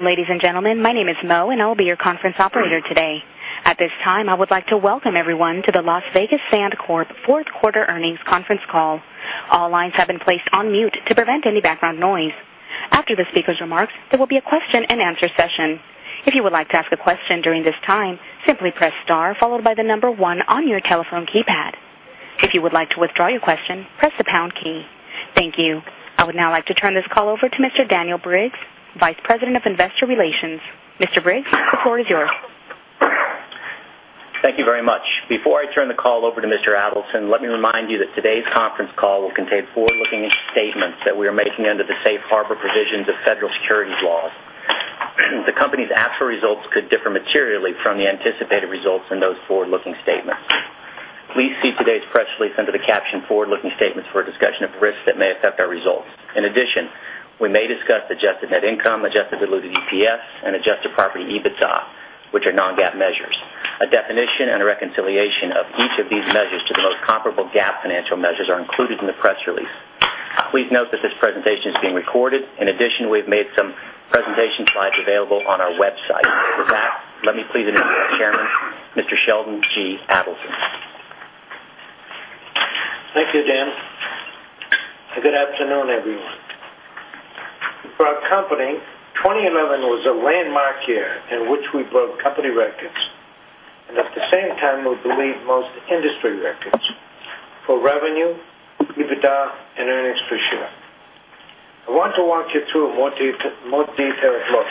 Ladies and gentlemen, my name is Mo and I will be your conference operator today. At this time, I would like to welcome everyone to the Las Vegas Sands Corp. Fourth Quarter Earnings Conference Call. All lines have been placed on mute to prevent any background noise. After the speaker's remarks, there will be a question and answer session. If you would like to ask a question during this time, simply press star followed by the number one on your telephone keypad. If you would like to withdraw your question, press the Pound key. Thank you. I would now like to turn this call over to Mr. Daniel Briggs, Vice President of Investor Relations. Mr. Briggs, the floor is yours. Thank you very much. Before I turn the call over to Mr. Adelson, let me remind you that today's conference call will contain forward-looking statements that we are making under the safe harbor provisions of federal securities laws. The company's actual results could differ materially from the anticipated results in those forward-looking statements. Please see today's press release under the caption "Forward-Looking Statements for a Discussion of Risks that May Affect Our Results." In addition, we may discuss adjusted net income, adjusted diluted EPS, and adjusted property EBITDA, which are non-GAAP measures. A definition and a reconciliation of each of these measures to the most comparable GAAP financial measures are included in the press release. Please note that this presentation is being recorded. In addition, we have made some presentation slides available on our website. Let me please introduce our Chairman, Mr. Sheldon G. Adelson. Thank you, Dan. Good afternoon, everyone. For our company, 2011 was a landmark year in which we broke company records, and at the same time, we believe most industry records for revenue, EBITDA, and earnings for sure. I want to walk you through a more detailed look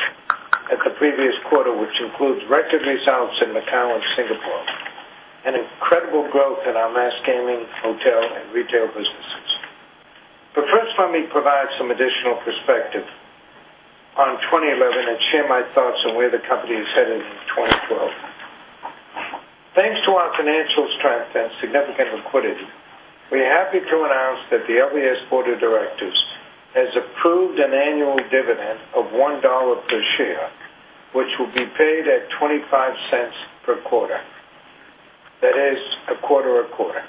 at the previous quarter, which includes record results in Macau and Singapore, and incredible growth in our mass gaming, hotel, and retail businesses. First, let me provide some additional perspective on 2011 and share my thoughts on where the company is headed in 2012. Thanks to our financial strength and significant liquidity, we are happy to announce that the LVS Board of Directors has approved an annual dividend of $1 per share, which will be paid at $0.25 per quarter. That is a quarter a quarter.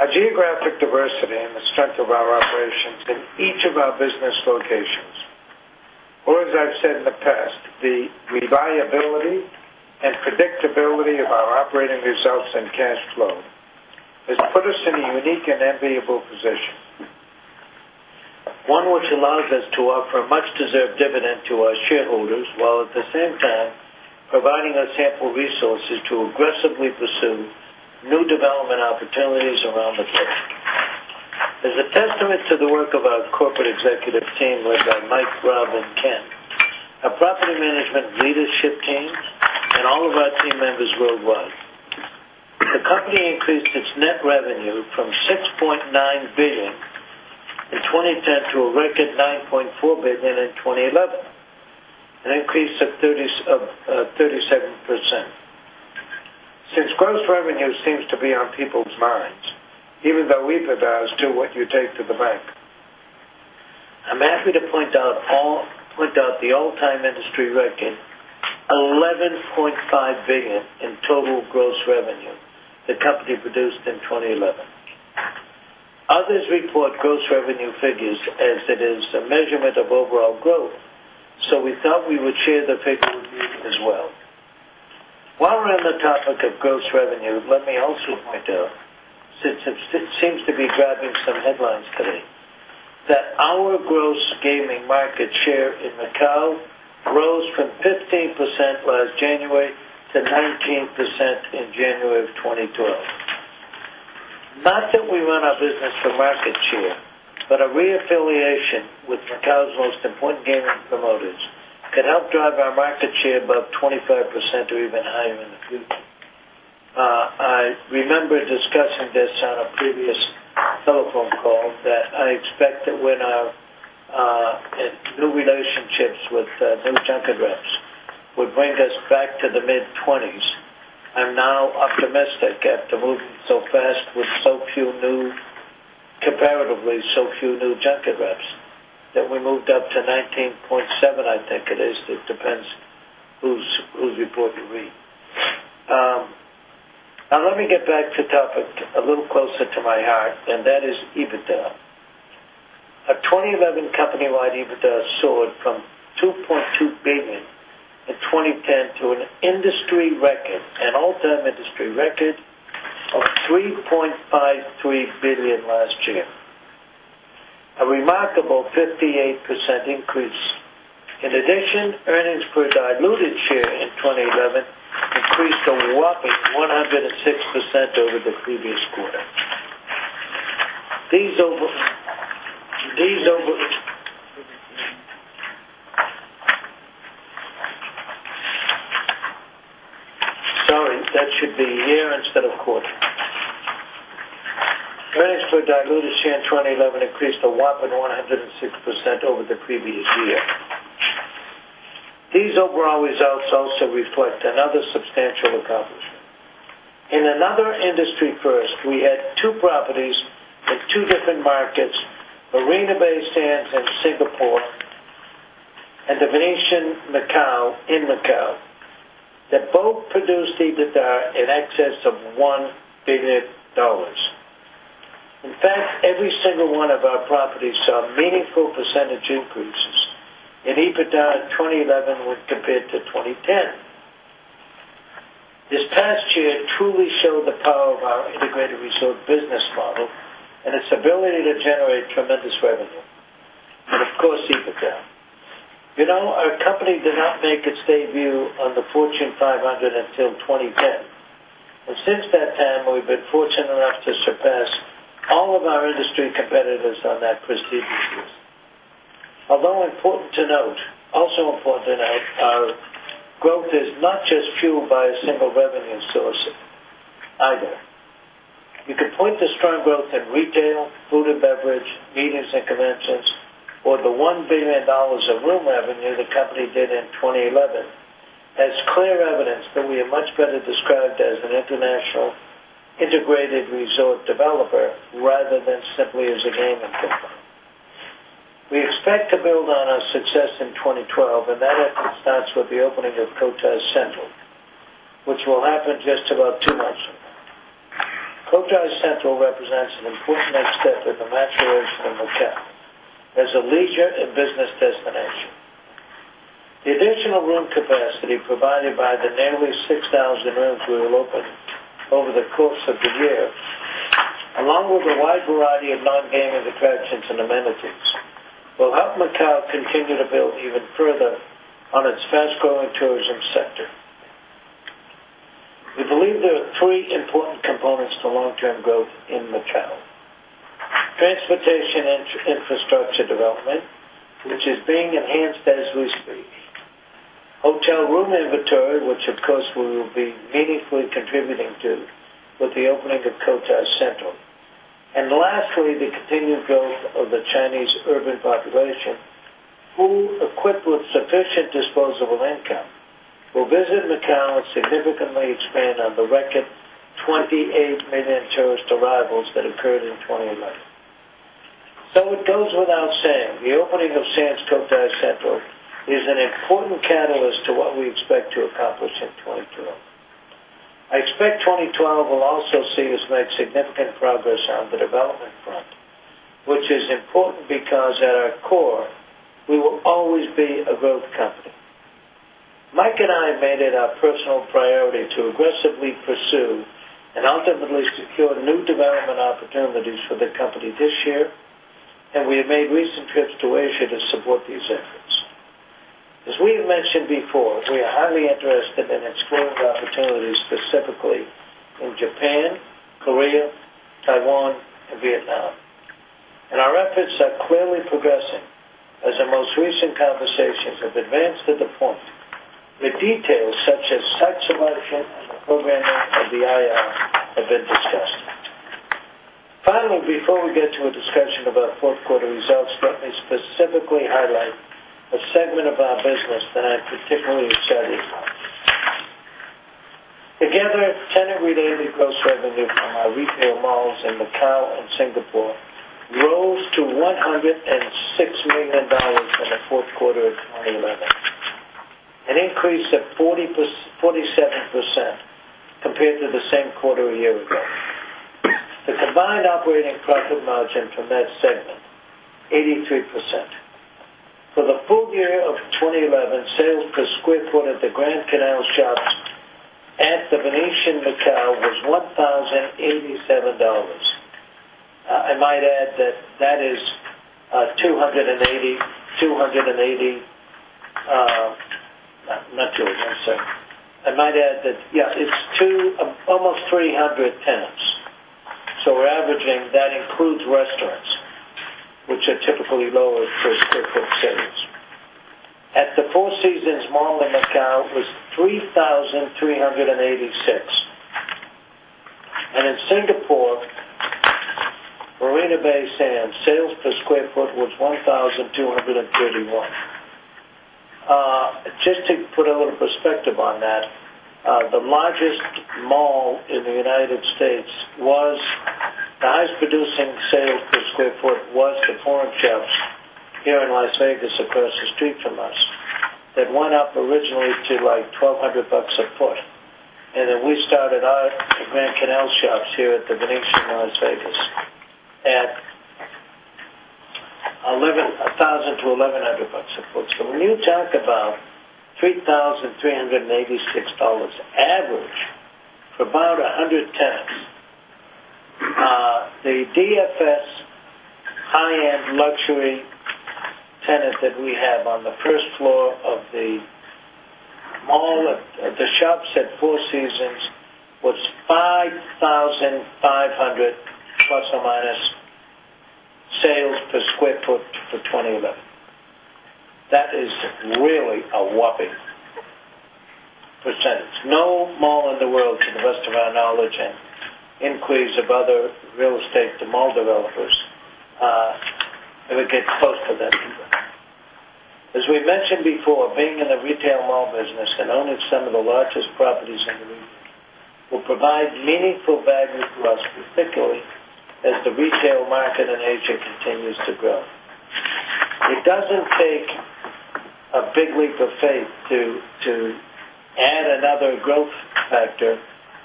Our geographic diversity and the strength of our operations in each of our business locations, or as I've said in the past, the reliability and predictability of our operating results and cash flow, has put us in a unique and enviable position. One which allows us to offer a much-deserved dividend to our shareholders, while at the same time providing us ample resources to aggressively pursue new development opportunities around the globe. As a testament to the work of our corporate executive team with Mike Leven, our property management leadership team, and all of our team members worldwide, the company increased its net revenue from $6.9 billion in 2010 to a record $9.4 billion in 2011, an increase of 37%. Since gross revenue seems to be on people's minds, even though we pay by. Do what you take to the bank. I'm happy to point out the all-time industry record, $11.5 billion in total gross revenue the company produced in 2011. Others report gross revenue figures as it is a measurement of overall growth, so we thought we would share the figures with you as well. While we're on the topic of gross revenue, let me also point out, since it seems to be grabbing some headlines today, that our gross gaming market share in Macau grew from 15% last January to 19% in January of 2012. Not that we run our business for market share, but a reaffiliation with Macau's most important gaming promoters could help drive our market share above 25% or even higher in the future. I remember discussing this on a previous telephone call that I expect that when our new relationships with new junket reps would bring us back to the mid-20s. I'm now optimistic after moving so fast with so few new, comparatively so few new junket reps that we moved up to 19.7, I think it is. It depends whose reporting you read. Now, let me get back to talk a little closer to my heart, and that is EBITDA. Our 2011 company-wide EBITDA soared from $2.2 billion in 2010 to an industry record, an all-time industry record of $3.53 billion last year, a remarkable 58% increase. In addition, earnings per diluted share in 2011 increased a whopping 106% over the previous year. These overall results also reflect another substantial accomplishment. In another industry first, we had two properties in two different markets, Marina Bay Sands in Singapore and The Venetian Macau in Macau, that both produced EBITDA in excess of $1 billion. In fact, every single one of our properties saw meaningful percentage increases in EBITDA in 2011 compared to 2010. This past year truly showed the power of our integrated resort model and its ability to generate tremendous revenue, and of course, EBITDA. You know, our company did not make its debut on the Fortune 500 until 2010. Since that time, we've been fortunate enough to surpass all of our industry competitors on that prestigious list. Also important to note, our growth is not just fueled by a single revenue source either. You could point to strong growth in retail, food and beverage, meetings and conventions, or the $1 billion of room revenue the company did in 2011 as clear evidence that we are much better described as an international integrated resort developer rather than simply as a gaming firm. We expect to build on our success in 2012, and that starts with the opening of CotaI Central, which will happen just about two months from now. Cotai Central represents an important next step in the maturation of Macau as a leisure and business destination. The additional room capacity provided by the nearly 6,000 rooms we will open over the course of the year, along with a wide variety of non-gaming attractions and amenities, will help Macau continue to build even further on its fast-growing tourism sector. We believe there are three important components to long-term growth in Macau: transportation and infrastructure development, which is being enhanced as we speak; hotel room inventory, which of course will be meaningfully contributed to with the opening of Cotai Central; and lastly, the continued growth of the Chinese urban population, who, equipped with sufficient disposable income, will visit Macau and significantly expand on the record 28 million tourist arrivals that occurred in 2011. It goes without saying, the opening of Sands and Cotai Central is an important catalyst to what we expect to accomplish in 2012. I expect 2012 will also see us make significant progress on the development front, which is important because at our core, we will always be a growth company. Mike and I made it our personal priority to aggressively pursue and ultimately secure new development opportunities for the company this year, and we have made recent trips to Asia to support these efforts. As we have mentioned before, we are highly interested in exploring opportunities specifically in Japan, Korea, Taiwan, and Vietnam. Our efforts are clearly progressing as our most recent conversations have advanced to the point that details such as a merger and the program at the integrated resort have been discussed. Finally, before we get to a discussion about fourth quarter results, let me specifically highlight a segment of our business that I am particularly satisfied with. Together, tenant-related gross revenue for our retail malls in Macau and Singapore rose to $106 million in the fourth quarter of 2011, an increase of 47% compared to the same quarter a year ago. The combined operating profit margin from that segment was 83%. For the full year of 2011, sales per square foot at the Grand Canal Shoppes at The Venetian Macau was $1,087. I might add that that is 280, not 287. I might add that, yeah, it's almost 300 tenants. So we're averaging that includes restaurants, which are typically lower for staff shares. At The Four Seasons Mall in Macau, it was $3,386. In Singapore, Marina Bay Sands sales per square foot was $1,231. Just to put a little perspective on that, the largest mall in the United States with the highest producing sales per square foot was the Forum Shops here in Las Vegas across the street from us that went up originally to like $1,200 a foot. Then we started our Grand Canal Shoppes here at The Venetian in Las Vegas at $1,000-$1,100 a foot. When you talk about $3,386 average for about 100 tenants, the DFS high-end luxury tenant that we have on the first floor of the mall at The Shoppes at Four Seasons was $5,500± sales per square foot for 2011. That is really a whopping percentage. No mall in the world to the best of our knowledge and increase of other real estate to mall developers ever get close to that number. As we mentioned before, being in the retail mall business and owning some of the largest properties in the region will provide meaningful value to us, particularly as the retail market in Asia continues to grow. It doesn't take a big leap of faith to add another growth factor,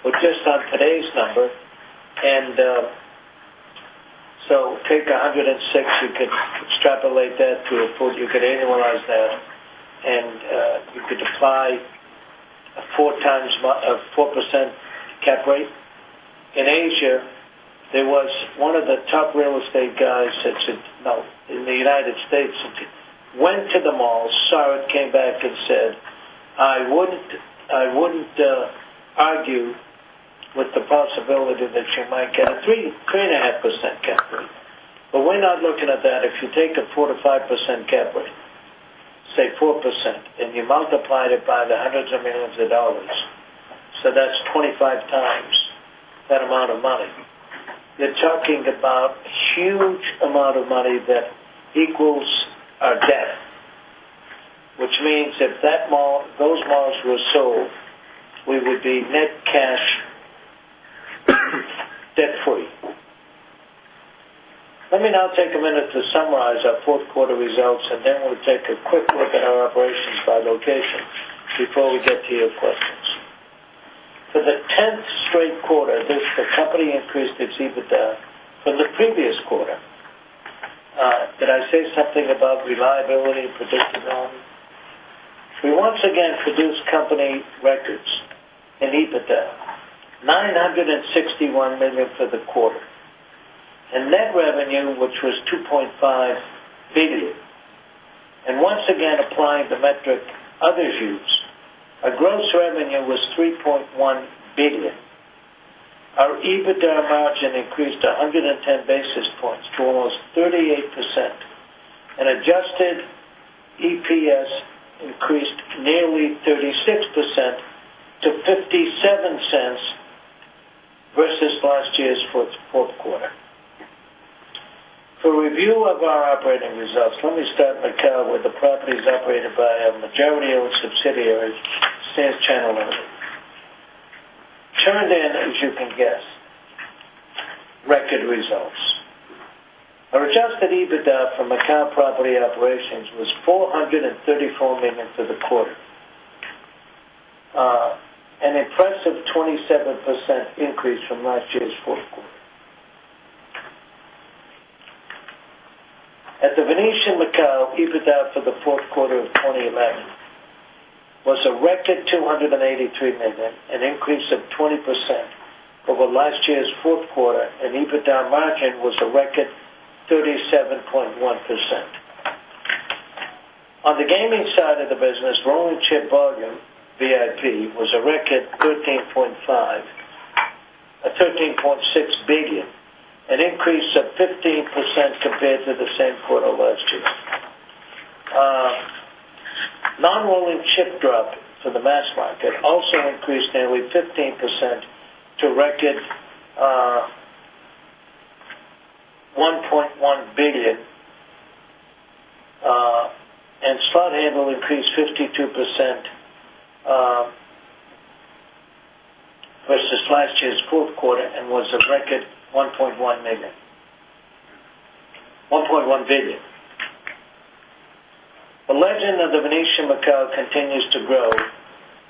but just on today's number, and so take 106, you could extrapolate that to a foot, you could annualize that, and you could apply a 4% cap rate. In Asia, there was one of the top real estate guys that said, no, in the United States, went to the mall, saw it, came back and said, "I wouldn't argue with the possibility that you might get a 3.5% cap rate." We're not looking at that. If you take the 4%-5% cap rate, say 4%, and you multiply it by the hundreds of millions of dollars, so that's 25x that amount of money, you're talking about a huge amount of money that equals our GAAP, which means if those malls were sold, we would be net cash debt-free. Let me now take a minute to summarize our fourth quarter results, and then we'll take a quick look at our operations by location before we get to your questions. For the 10th straight quarter, this is the company increased its EBITDA from the previous quarter. Did I say something about reliability predicted on? We once again produced company records in EBITDA, $961 million for the quarter, and net revenue, which was $2.5 billion. Once again, applying the metric others used, our gross revenue was $3.1 billion. Our EBITDA margin increased 110 basis points to almost 38%, and adjusted EPS increased nearly 36% to $0.57 versus last year's fourth quarter. For review of our operating results, let me start our tale with the properties operated by our majority-owned subsidiaries, Sands China Ltd. Turned in, as you can guess, record results. Our adjusted EBITDA for Macau property operations was $434 million for the quarter, an impressive 27% increase from last year's fourth quarter. At The Venetian Macau, EBITDA for the fourth quarter of 2011 was a record $283 million, an increase of 20% over last year's fourth quarter, and EBITDA margin was a record 37.1%. On the gaming side of the business, rolling chip volume VIP was a record $13.6 billion, an increase of 15% compared to the same quarter last year. Non-rolling chip drop for the mass market also increased nearly 15% to a record $1.1 billion, and slot handle increased 52% versus last year's fourth quarter and was a record $1.1 billion. The legend of The Venetian Macau continues to grow,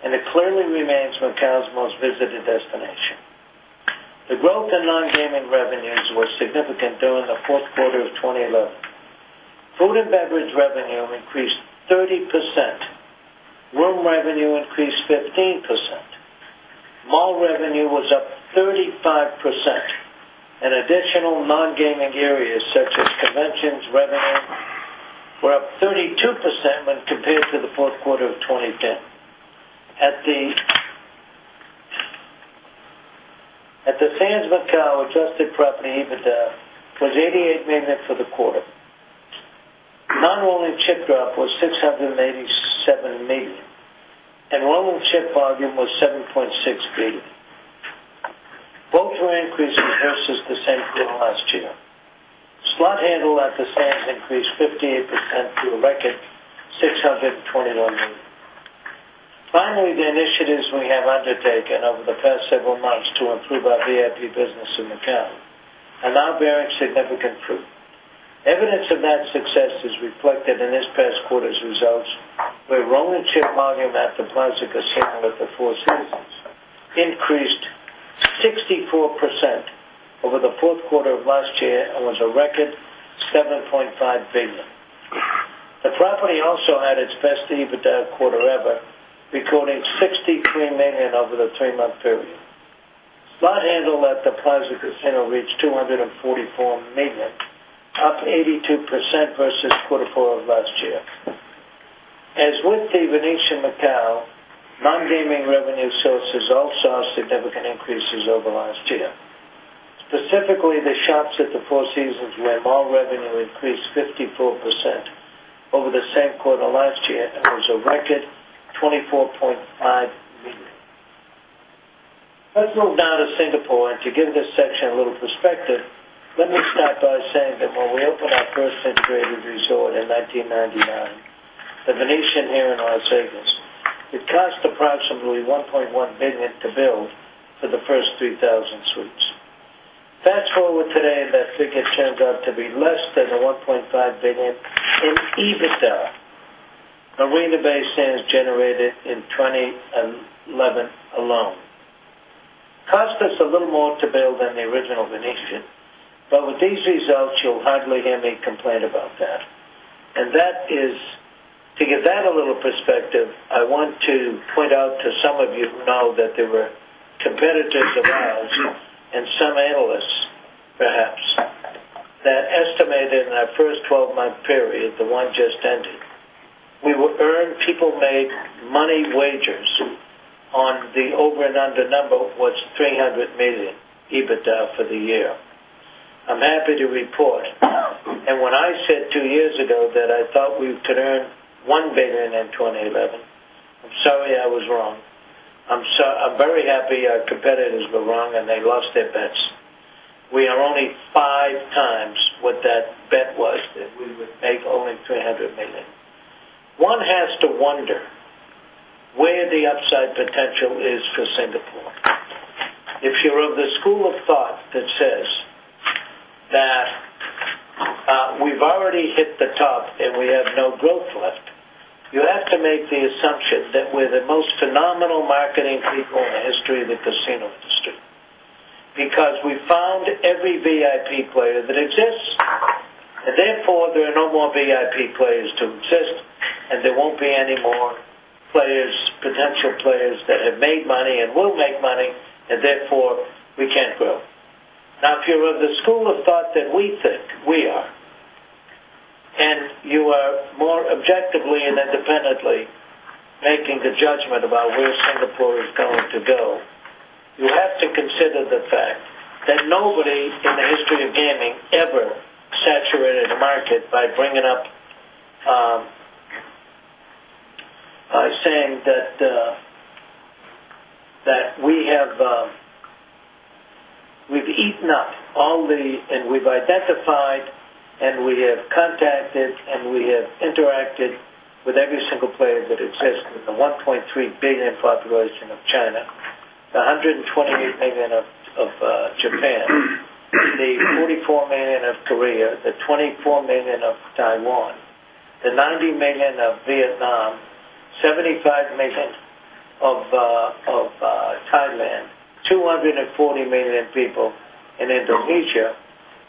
and it clearly remains Macau's most visited destination. The growth in non-gaming revenues was significant during the fourth quarter of 2011. Food and beverage revenue increased 30%, room revenue increased 15%, mall revenue was up 35%, and additional non-gaming areas such as conventions revenue were up 32% when compared to the fourth quarter of 2010. At the Sands Macau, adjusted property EBITDA was $88 million for the quarter. Non-rolling chip drop was $687 million, and rolling chip volume was $7.6 billion. Both were increased versus the same quarter last year. Slot handle at the Sands increased 58% to a record $620 million. Finally, the initiatives we have undertaken over the past several months to improve our VIP business in Macau are bearing significant fruit. Evidence of that success is reflected in this past quarter's results, where rolling chip volume at The Plaza Casino at the Four Seasons increased 64% over the fourth quarter of last year and was a record $7.5 billion. The property also had its best EBITDA quarter ever, recording $63 million over the three-month period. Slot handle at The Plaza Casino reached $244 million, up 82% versus quarter four of last year. As with The Venetian Macau, non-gaming revenue sources also had significant increases over last year. Specifically, The Shoppes at Four Seasons, where mall revenue increased 54% over the same quarter last year and was a record $24.5 million. Let's move now to Singapore, and to give this section a little perspective, let me start by saying that when we opened our first integrated resort in 1999, The Venetian here in Las Vegas, it cost approximately $1.1 billion to build for the first 3,000 suites. Fast forward to today, and that figure turned out to be less than the $1.5 billion EBITDA Marina Bay Sands generated in 2011 alone. It cost us a little more to build than the original Venetian, but with these results, you'll hardly hear me complain about that. To give that a little perspective, I want to point out to some of you who know that there were competitors of ours and some analysts, perhaps, that estimated in our first 12-month period, the one just ended, we would earn people-made money wages on the over and under number of what's $300 million EBITDA for the year. I'm happy to report, and when I said two years ago that I thought we could earn $1 billion in 2011, I'm sorry I was wrong. I'm very happy our competitors were wrong and they lost their bets. We are only five times what that bet was that we would make only $300 million. One has to wonder where the upside potential is for Singapore. If you're of the school of thought that says that we've already hit the top and we have no growth left, you have to make the assumption that we're the most phenomenal marketing people in the history of the casino industry because we found every VIP player that exists, and therefore, there are no more VIP players to exist, and there won't be any more potential players that have made money and will make money, and therefore, we can't grow. If you're of the school of thought that we think we are, and you are more objectively and independently making the judgment about where Singapore is going to go, you have to consider the fact that nobody in the history of gaming ever saturated a market by bringing up saying that we've eaten up all the, and we've identified, and we have contacted, and we have interacted with every single player that exists in the 1.3 billion population of China, the 128 million of Japan, the 44 million of Korea, the 24 million of Taiwan, the 90 million of Vietnam, 75 million of Thailand, 240 million people in Indonesia,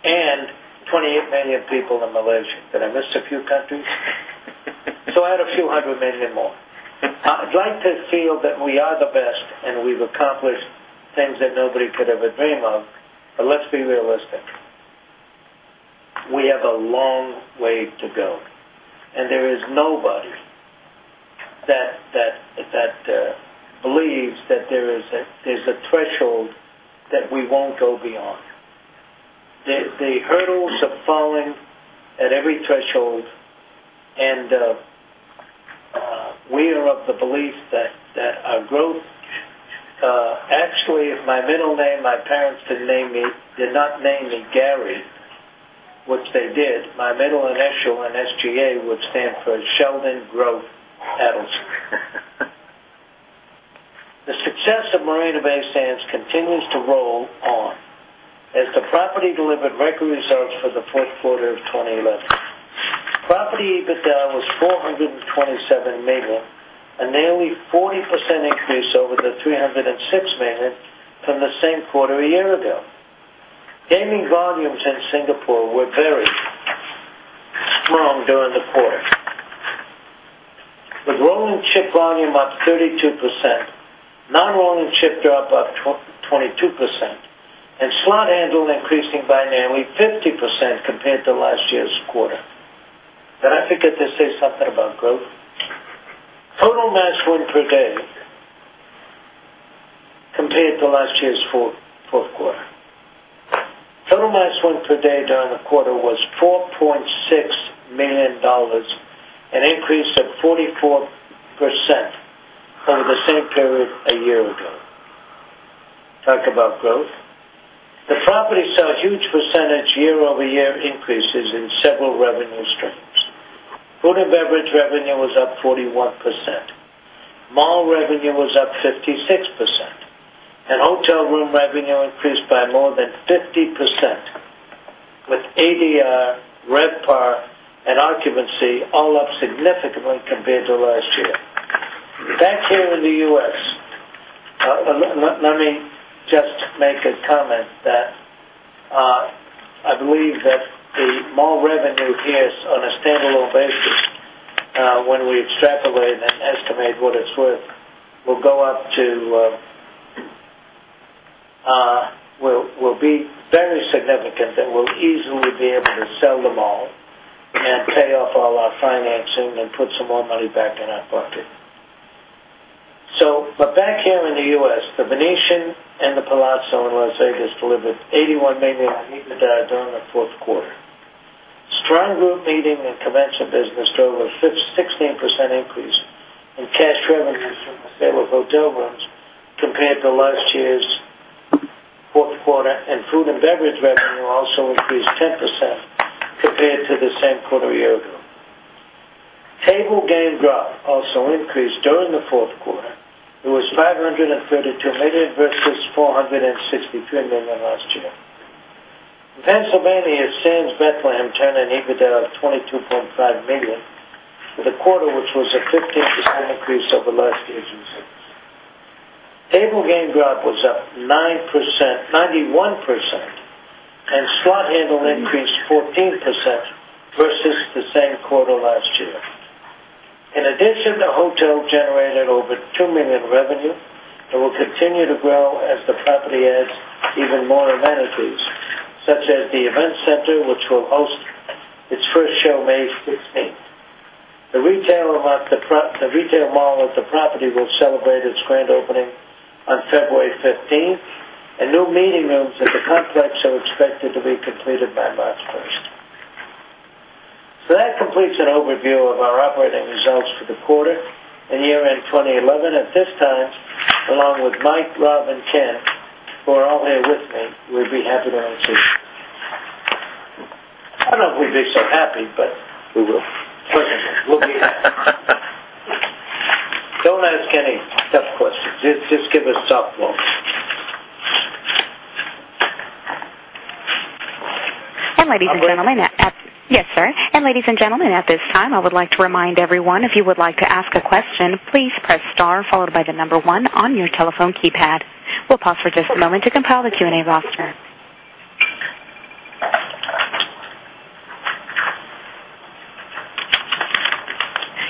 and 28 million people in Malaysia. Did I miss a few countries? I had a few hundred million more. I'd like to feel that we are the best and we've accomplished things that nobody could ever dream of, but let's be realistic. We have a long way to go, and there is nobody that believes that there's a threshold that we won't go beyond. The hurdles have fallen at every threshold, and we are of the belief that our growth actually, my middle name, my parents did not name me Gary, which they did. My middle initial on S. G. A. would stand for Sheldon Growth Adelson. The success of Marina Bay Sands continues to roll on as the property delivered record results for the fourth quarter of 2011. Property EBITDA was $427 million, a nearly 40% increase over the $306 million from the same quarter a year ago. Gaming volumes in Singapore were very strong during the quarter. The rolling chip volume up 32%, non-rolling chip drop up 22%, and slot handle increasing by nearly 50% compared to last year's quarter. Did I forget to say something about growth? Total mass win per day compared to last year's fourth quarter. Total mass win per day during the quarter was $4.6 million, an increase of 44% over the same period a year ago. Talk about growth. The property saw huge percentage year-over-year increases in several revenue streams. Food and beverage revenue was up 41%. Mall revenue was up 56%, and hotel room revenue increased by more than 50%, with ADR, RevPAR, and occupancy all up significantly compared to last year. Back here in the U.S., let me just make a comment that I believe that the mall revenue here is on a stable basis. When we extrapolate and estimate what it's worth, we'll go up to, we'll be fairly significant that we'll easily be able to sell the mall and pay off all our financing and put some more money back in our pocket. Back here in the U.S., The Venetian and The Palazzo in Las Vegas delivered $81 million on EBITDA during the fourth quarter. Strong group meeting and convention business drove a 16% increase in cash revenues from the sale of hotel rooms compared to last year's fourth quarter, and food and beverage revenue also increased 10% compared to the same quarter a year ago. Table game drop also increased during the fourth quarter. It was $532 million, versus $463 million last year. Pennsylvania Sands Bethlehem turned an EBITDA of $22.5 million for the quarter, which was a 15% increase over last year's usage. Table game drop was up 91%, and slot handle increased 14% versus the same quarter last year. In addition, the hotel generated over $2 million revenue and will continue to grow as the property adds even more amenities, such as the event center, which will host its first show May 16th. The retail mall of the property will celebrate its grand opening on February 15th, and new meeting rooms at the complex are expected to be completed by March 1st. That completes an overview of our operating results for the quarter and year-end 2011. At this time, along with Mike, Rob, and Ken, who are all here with me, we'd be happy to answer you. I don't know if we'd be so happy, but we will. Don't ask any sub-quotes. Just give us softball. Ladies and gentlemen, at this time, I would like to remind everyone, if you would like to ask a question, please press Star followed by the number one on your telephone keypad. We'll pause for just a moment to compile the Q&A box.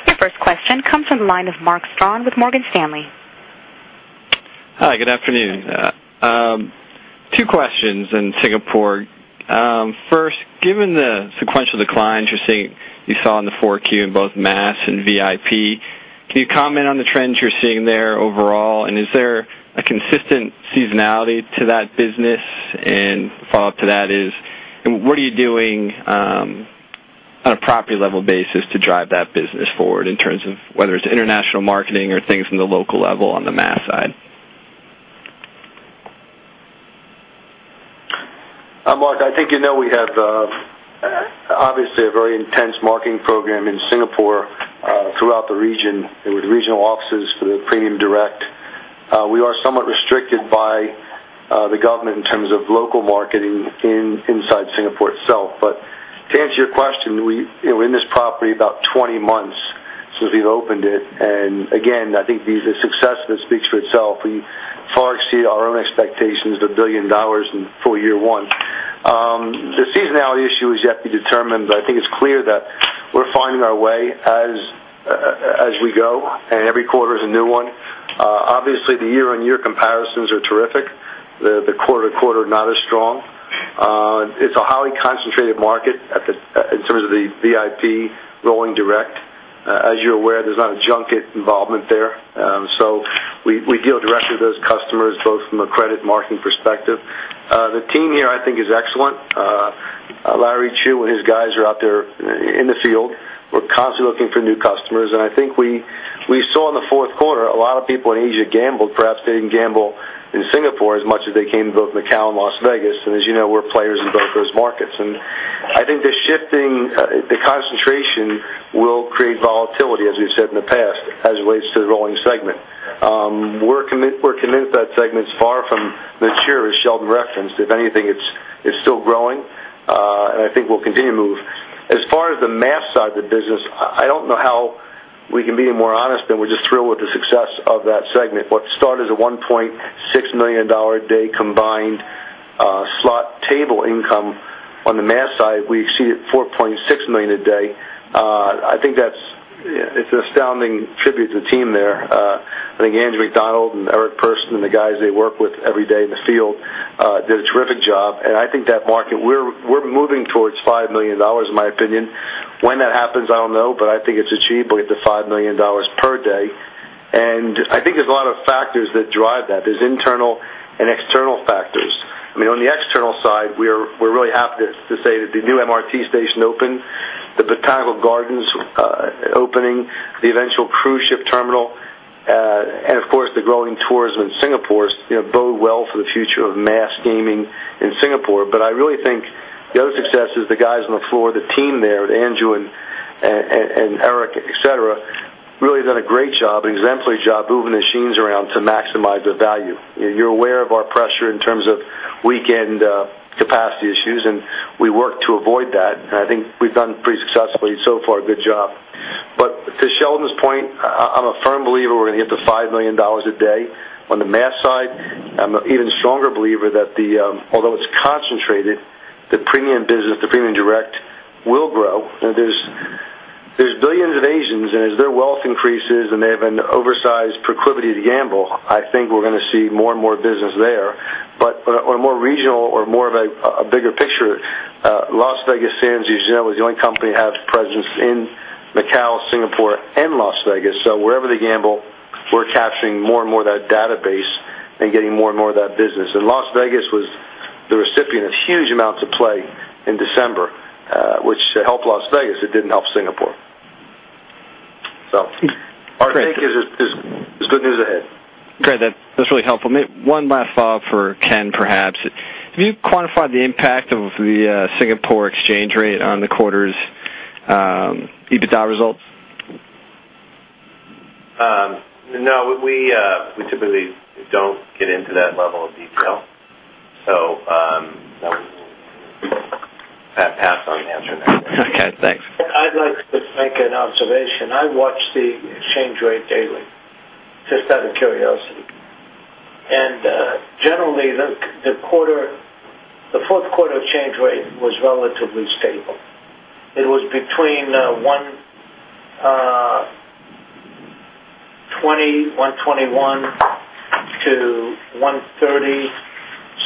Your first question comes from the line of Mark Strawn with Morgan Stanley. Hi. Good afternoon. Two questions in Singapore. First, given the sequential declines you saw in the fourth quarter in both mass and VIP, can you comment on the trends you're seeing there overall? Is there a consistent seasonality to that business? The follow-up to that is, what are you doing on a property-level basis to drive that business forward in terms of whether it's international marketing or things in the local level on the mass side? Mark, I think you know we have obviously a very intense marketing program in Singapore throughout the region with regional offices for the premium direct. We are somewhat restricted by the government in terms of local marketing inside Singapore itself. To answer your question, we're in this property about 20 months since we've opened it. I think this is a success that speaks for itself. We far exceed our own expectations of $1 billion in full year one. The seasonality issue is yet to be determined, but I think it's clear that we're finding our way as we go, and every quarter is a new one. Obviously, the year-on-year comparisons are terrific. The quarter-to-quarter is not as strong. It's a highly concentrated market in terms of the VIP rolling direct. As you're aware, there's not a junket involvement there. We deal directly with those customers both from a credit marketing perspective. The team here, I think, is excellent. Larry Chu and his guys are out there in the field. We're constantly looking for new customers. I think we saw in the fourth quarter a lot of people in Asia gambled. Perhaps they didn't gamble in Singapore as much as they came in both Macau and Las Vegas. As you know, we're players in both those markets. I think the shifting the concentration will create volatility, as we've said in the past, as it relates to the rolling segment. We're convinced that segment is far from mature, as Sheldon referenced. If anything, it's still growing, and I think we'll continue to move. As far as the mass side of the business, I don't know how we can be any more honest than we're just thrilled with the success of that segment. What started as a $1.6 million a day combined slot table income on the mass side, we exceeded $4.6 million a day. I think that's an astounding tribute to the team there. I think Andrew McDonald and Eric Pearson and the guys they work with every day in the field did a terrific job. I think that market, we're moving towards $5 million, in my opinion. When that happens, I don't know, but I think it's achievable to get to $5 million per day. I think there's a lot of factors that drive that. There's internal and external factors. On the external side, we're really happy to say that the new MRT station opened, the Botanical Gardens opening, the eventual cruise ship terminal, and of course, the growing tourism in Singapore bode well for the future of mass gaming in Singapore. I really think the other success is the guys on the floor, the team there, Andrew and Eric, etc., really have done a great job, an exemplary job moving the machines around to maximize the value. You're aware of our pressure in terms of weekend capacity issues, and we work to avoid that. I think we've done pretty successfully so far a good job. To Sheldon's point, I'm a firm believer we're going to get to $5 million a day on the mass side. I'm an even stronger believer that although it's concentrated, the premium business, the premium direct will grow. There's billions of Asians, and as their wealth increases and they have an oversized proclivity to gamble, I think we're going to see more and more business there. On a more regional or more of a bigger picture, Las Vegas Sands, as you know, is the only company to have presence in Macau, Singapore, and Las Vegas. Wherever they gamble, we're capturing more and more of that database and getting more and more of that business. Las Vegas was the recipient of huge amounts of play in December, which helped Las Vegas. It didn't help Singapore. I think there's good news ahead. Great. That's really helpful. One last thought for Ken, perhaps. Have you quantified the impact of the Singapore exchange rate on the quarter's EBITDA results? No. We typically don't get into that level of detail, so I'd pass on answering that. Okay. Thanks. I'd like to make an observation. I watch the exchange rate daily just out of curiosity. Generally, the fourth quarter exchange rate was relatively stable. It was between 2.1 1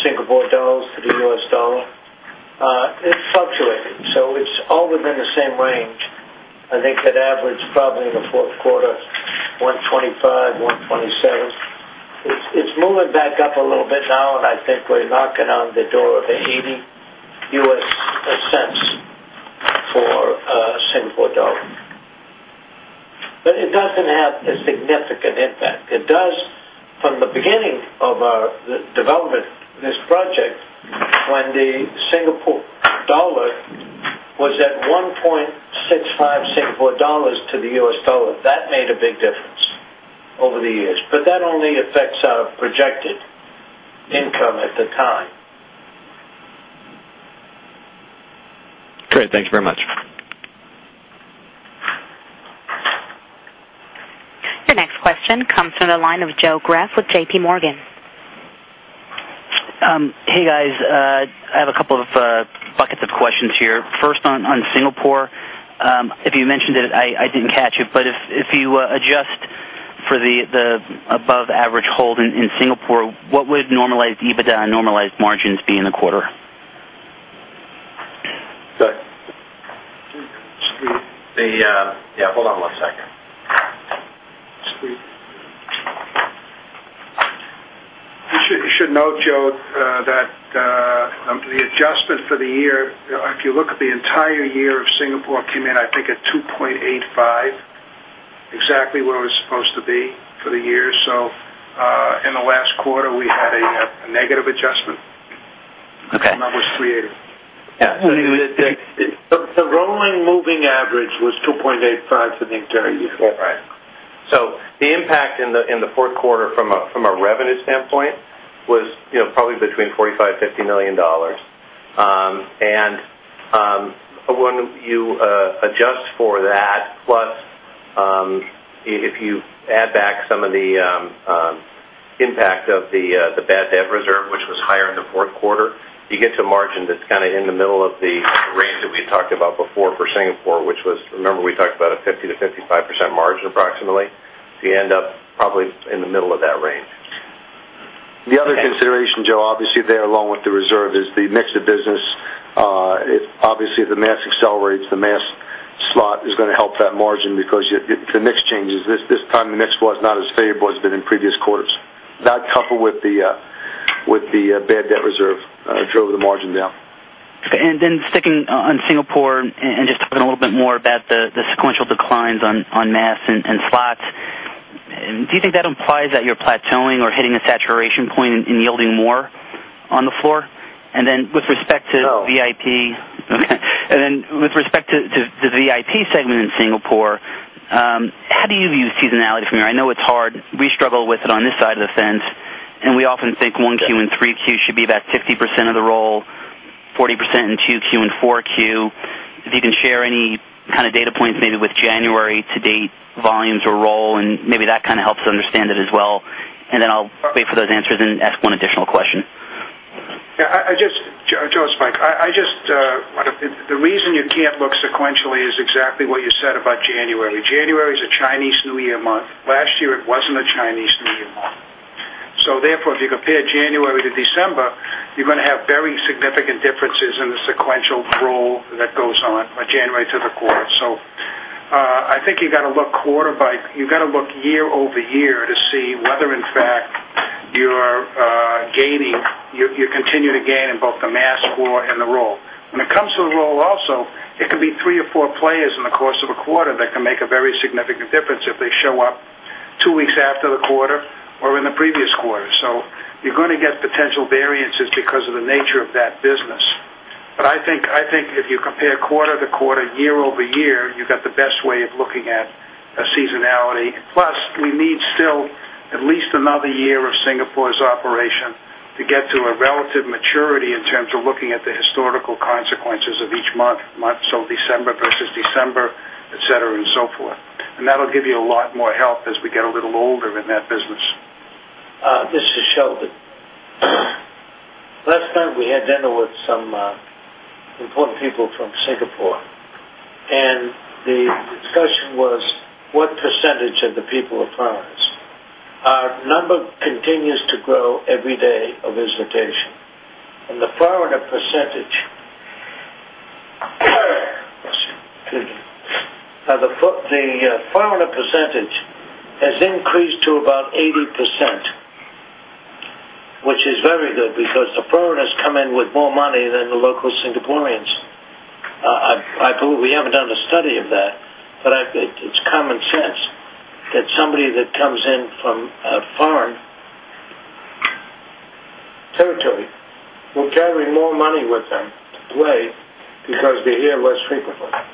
Singapore dollars .30 to the U.S. dollar. It's fluctuated, all within the same range. I think it averaged probably in the fourth quarter 1.25, 1.27. It's moving back up a little bit now, and I think we're knocking on the door of $0.80 for the Singapore dollar. It doesn't have a significant impact. It does from the beginning of our development of this project, when the Singapore dollar was at 1.65 Singapore dollars to the U.S. dollar. That made a big difference over the years. That only affects our projected income at the time. Great. Thank you very much. The next question comes from the line of Joe Greff with JPMorgan. Hey, guys. I have a couple of buckets of questions here. First on Singapore. If you mentioned it, I didn't catch it. If you adjust for the above-average hold in Singapore, what would normalized EBITDA and normalized margins be in the quarter? Yeah, hold on one second. You should note, Joe, that the adjustment for the year, if you look at the entire year of Singapore, came in, I think, at $2.85 million exactly where it was supposed to be for the year. In the last quarter, we had a negative adjustment and that was $3.8 milion. Yeah. The rolling moving average was $2.85 million for the entire year. Right. The impact in the fourth quarter from a revenue standpoint was probably between $45 million and $50 million. When you adjust for that, plus if you add back some of the impact of the bad debt reserves, which was higher in the fourth quarter, you get to a margin that's kind of in the middle of the range that we had talked about before for Singapore, which was, remember, we talked about a 50%- 55% margin approximately. You end up probably in the middle of that range. The other consideration, Joe, obviously there, along with the reserve, is the mix of business. Obviously, if the mass accelerates, the mass slot is going to help that margin because if the mix changes, this time the mix was not as favorable as it had been in previous quarters. That, coupled with the bad debt reserve, drove the margin down. Sticking on Singapore and just talking a little bit more about the sequential declines on mass and slots, do you think that implies that you're plateauing or hitting a saturation point and yielding more on the floor? With respect to VIP. No. Okay. With respect to the VIP segment in Singapore, how do you view seasonality from here? I know it's hard. We struggle with it on this side of the fence. We often think 1Q and 3Q should be about 50% of the roll, 40% in 2Q and 4Q. If you can share any kind of data points maybe with January-to-date volumes or roll, maybe that helps us understand it as well. I'll wait for those answers and ask one additional question. Yeah. Josh, Mike, I just want to—the reason you can look sequentially is exactly what you said about January. January is a Chinese New Year month. Last year, it wasn't a Chinese New Year month. Therefore, if you compare January to December, you're going to have very significant differences in the sequential roll that goes on from January to the quarter. I think you got to look year over year to see whether, in fact, you continue to gain in both the mass roll and the roll. When it comes to the roll also, it could be three or four players in the course of a quarter that can make a very significant difference if they show up two weeks after the quarter or in the previous quarter. You're going to get potential variances because of the nature of that business. I think if you compare quarter-to-quarter, year-over-year, you've got the best way of looking at seasonality. Plus, you need still at least another year of Singapore's operation to get to a relative maturity in terms of looking at the historical consequences of each month. December versus December, etc., and so forth. That'll give you a lot more help as we get a little older in that business. This is Sheldon. Last time, we had dinner with some important people from Singapore. The discussion was, what percentage of the people are foreigners? Our number continues to grow every day of visitation. The foreigner percentage has increased to about 80%, which is very good because the foreigners come in with more money than the local Singaporeans. I believe we haven't done a study of that, but it's common sense that somebody that comes in from a foreign territory will carry more money with them away because the here was frequent for them,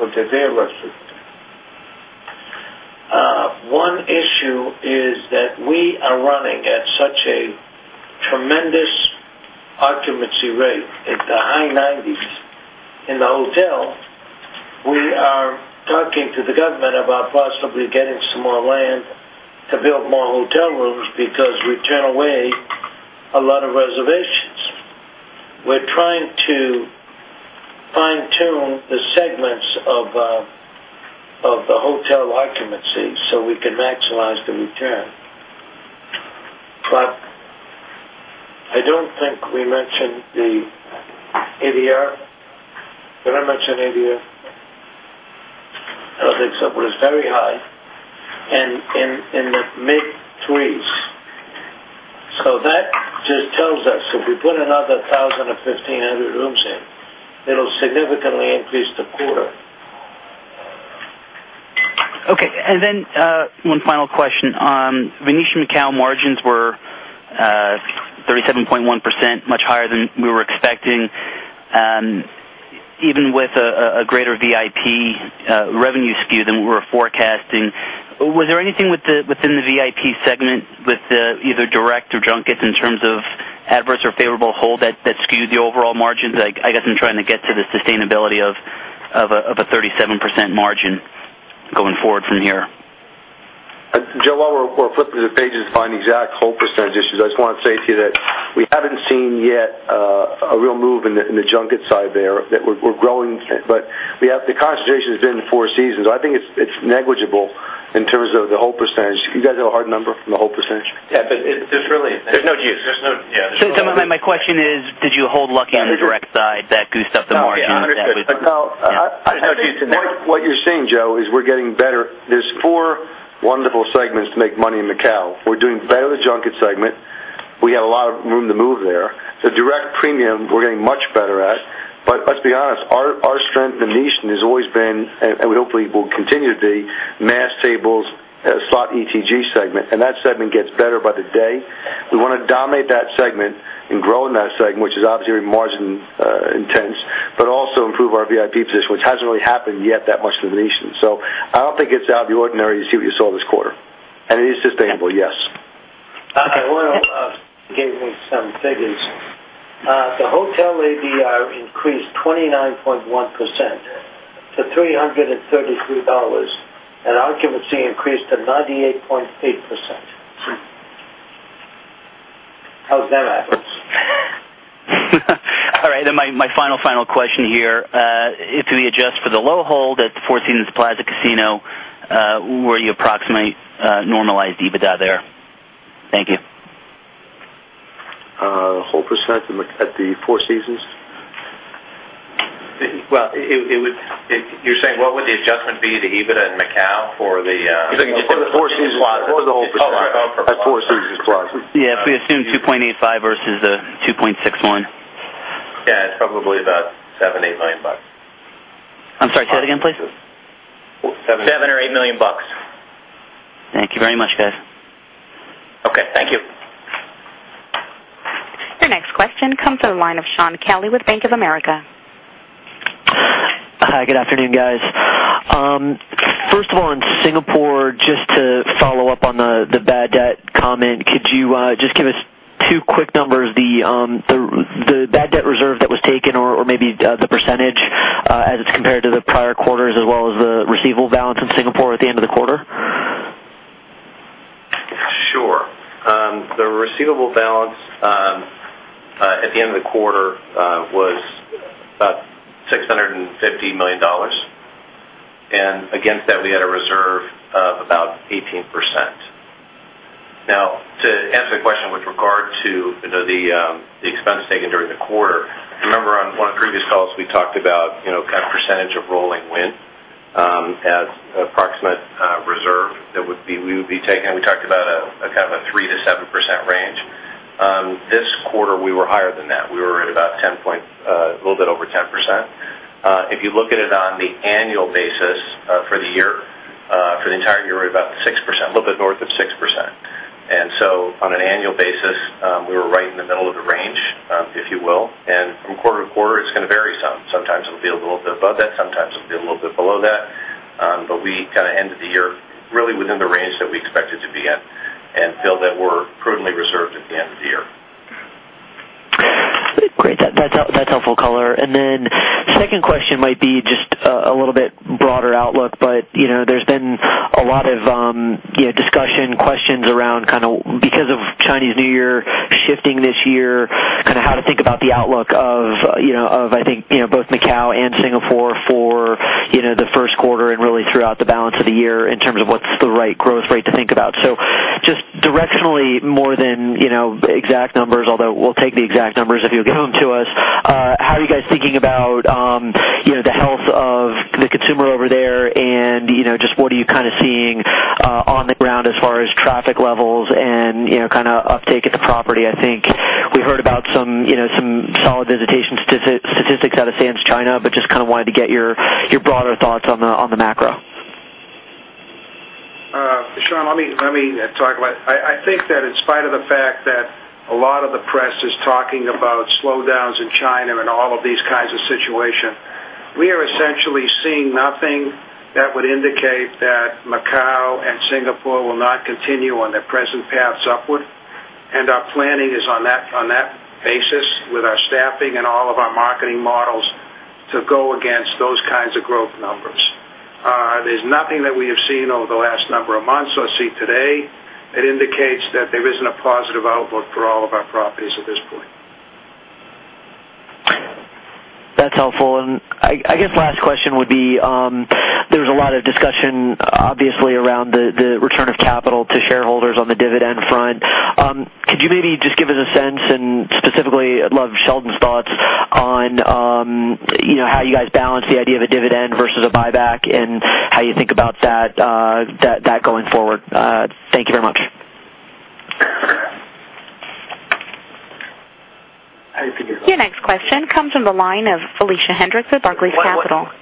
or the there was frequent. One issue is that we are running at such a tremendous occupancy rate at the high 90s in the hotel. We are talking to the government about possibly getting some more land to build more hotel rooms because we turn away a lot of reservations. We're trying to fine-tune the segments of the hotel occupancy so we can maximize the return. I don't think we mentioned the ADR. Did I mention ADR? I don't think so, but it's very high in the mid-3s. That just sells us. If we put another 1,000 or 1,500 rooms in, it'll significantly increase the quarter. Okay. One final question. The Venetian Macau margins were 37.1%, much higher than we were expecting, even with a greater VIP revenue skew than we were forecasting. Was there anything within the VIP segment with either direct or junkets in terms of adverse or favorable hold that skewed the overall margins? I guess I'm trying to get to the sustainability of a 37% margin going forward from here. Joe, while we're flipping the pages to find the exact hold percentage issues, I just want to say to you that we haven't seen yet a real move in the junket side there, that we're growing. The concentration has been in the Four Seasons. I think it's negligible in terms of the hold perecentage. You guys have a hard number from the hold percentage? There's really no juice. There's no, yeah. Did you hold lucky on the direct side that goosed up the margin? Yeah, no, there's no juice in that. What you're saying, Joe, is we're getting better. There are four wonderful segments to make money in Macau. We're doing better in the junket segment. We have a lot of room to move there. Direct premium, we're getting much better at. Let's be honest, our strength in The Venetian has always been, and hopefully, it will continue to be, mass tables, slot ETG segment. That segment gets better by the day. We want to dominate that segment and grow in that segment, which is obviously very margin-intense, but also improve our VIP position, which hasn't really happened yet that much in The Venetian. I don't think it's out of the ordinary to see what you saw this quarter. It is sustainable, yes. Okay. I'll give you some figures. The hotel ADR increased 29.1% to $332, and occupancy increased to 98.8%. How's that? All right. My final, final question here. If we adjust for the low hold at The Four Seasons Plaza Casino, where do you approximate normalized EBITDA there? Thank you. Hold percentage and look at The Four Seasons? You're saying what would the adjustment be to EBITDA in Macau for the Four Seasons Plus? For the Four Seasons Plus. At Four Seasons Plus. Yeah. Four Seasons $2.85 million versus $2.61 million. Yeah, it's probably about $7 million, $8 million. I'm sorry. Say that again, please. $7 milllion or $8 million. Thank you very much, guys. Okay, thank you. Your next question comes from the line of Shaun Kelley with Bank of America. Good afternoon, guys. First of all, in Singapore, just to follow up on the bad debt comment, could you just give us two quick numbers? The bad debt reserve that was taken or maybe the percentage as it's compared to the prior quarters, as well as the receivable balance in Singapore at the end of the quarter? Sure. The receivable balance at the end of the quarter was about $650 million. Against that, we had a reserve of about 18%. To answer the question with regard to the expense taken during the quarter, remember on one of the previous calls, we talked about kind of a percentage of rolling win as an approximate reserve that we would be taking. We talked about a kind of a 3%-7% range. This quarter, we were higher than that. We were at about a little bit over 10%. If you look at it on the annual basis for the year, for the entire year, we were about 6%, a little bit north of 6%. On an annual basis, we were right in the middle of the range, if you will. From quarter to quarter, it's going to vary some. Sometimes it'll be a little bit above that. Sometimes it'll be a little bit below that. We kind of ended the year really within the range that we expected to be in and feel that we're prudently reserved at the end of the year. Great. That's helpful, caller. The second question might be just a little bit broader outlook, but you know there's been a lot of discussion, questions around kind of because of Chinese New Year shifting this year, kind of how to think about the outlook of, you know, I think, you know, both Macau and Singapore for, you know, the first quarter and really throughout the balance of the year in terms of what's the right growth rate to think about. Just directionally, more than, you know, exact numbers, although we'll take the exact numbers if you'll give them to us. How are you guys thinking about, you know, the health of the consumer over there? You know, just what are you kind of seeing on the ground as far as traffic levels and, you know, kind of uptake at the property? I think we heard about some, you know, some all-visitation statistics out of Sands China, but just kind of wanted to get your broader thoughts on the macro. Sean, let me talk about I think that in spite of the fact that a lot of the press is talking about slowdowns in China and all of these kinds of situations, we are essentially seeing nothing that would indicate that Macau and Singapore will not continue on their present paths upward. Our planning is on that basis with our staffing and all of our marketing models to go against those kinds of growth numbers. There's nothing that we have seen over the last number of months or see today that indicates that there isn't a positive outlook for all of our properties at this point. That's helpful. My last question would be, there was a lot of discussion, obviously, around the return of capital to shareholders on the dividend front. Could you maybe just give us a sense? Specifically, I'd love Sheldon's thoughts on how you guys balance the idea of a dividend versus a buyback and how you think about that going forward. Thank you very much. Your next question comes from the line of Felicia Hendrix at Barclays Capital. Hold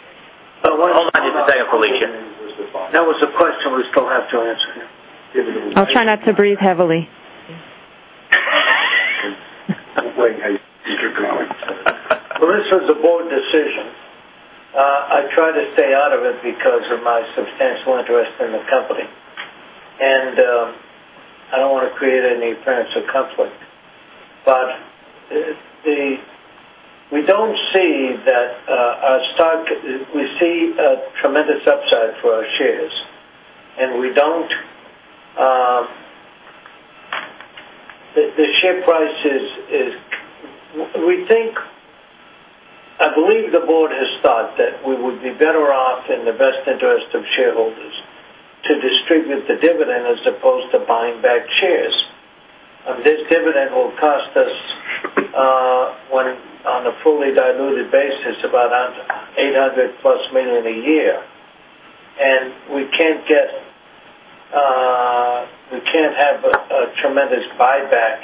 on just a second, Felicia. There was a question we still have to answer. Try not to breathe heavily. I'm growing. This was an important decision. I'm trying to stay out of it because of my substantial interest in the company, and I don't want to create any friends or conflict. We don't see that our stock, we see a tremendous upside for our shares. We don't, the share price is, we think, I believe the board has thought that we would be better off in the best interest of shareholders to distribute the dividend as opposed to buying back shares. This dividend will cost us on a fully diluted basis about $800+ million a year. We can't get, we can't have a tremendous buyback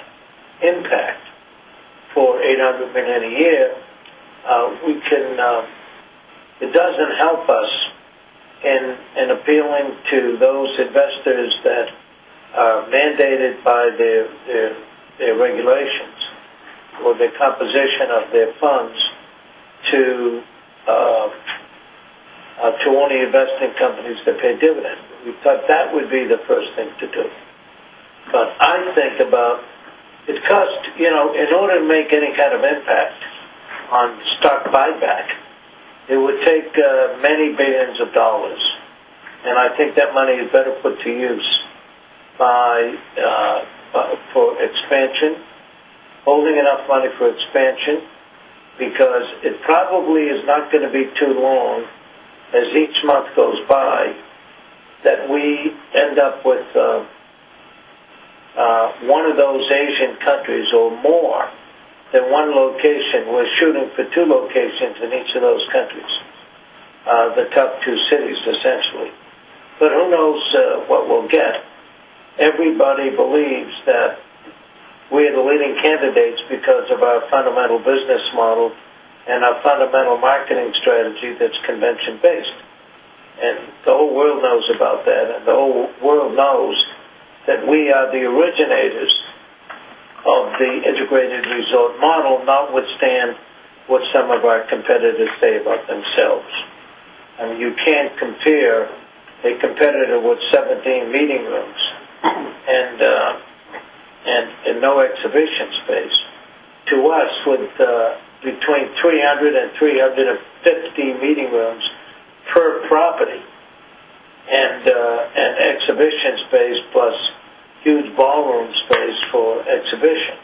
impact for $800 million a year. It doesn't help us in appealing to those investors that are mandated by their regulations or the composition of their funds to own the investing companies that pay dividends. We thought that would be the first thing to do. I think about, because in order to make any kind of impact on stock buyback, it would take many billions of dollars. I think that money is better put to use for expansion, holding enough money for expansion, because it probably is not going to be too long as each month goes by that we end up with one of those Asian countries or more than one location. We're shooting for two locations in each of those countries, the top two cities, essentially. Who knows what we'll get? Everybody believes that we are the leading candidates because of our fundamental business model and our fundamental marketing strategy that's convention-based. The whole world knows about that. The whole world knows that we are the originators of the integrated resort model, notwithstanding what some of our competitors say about themselves. I mean, you can't compare a competitor with 17 meeting rooms and no exhibition space to us with between 300 and 350 meeting rooms per property and exhibition space plus huge ballroom space for exhibitions.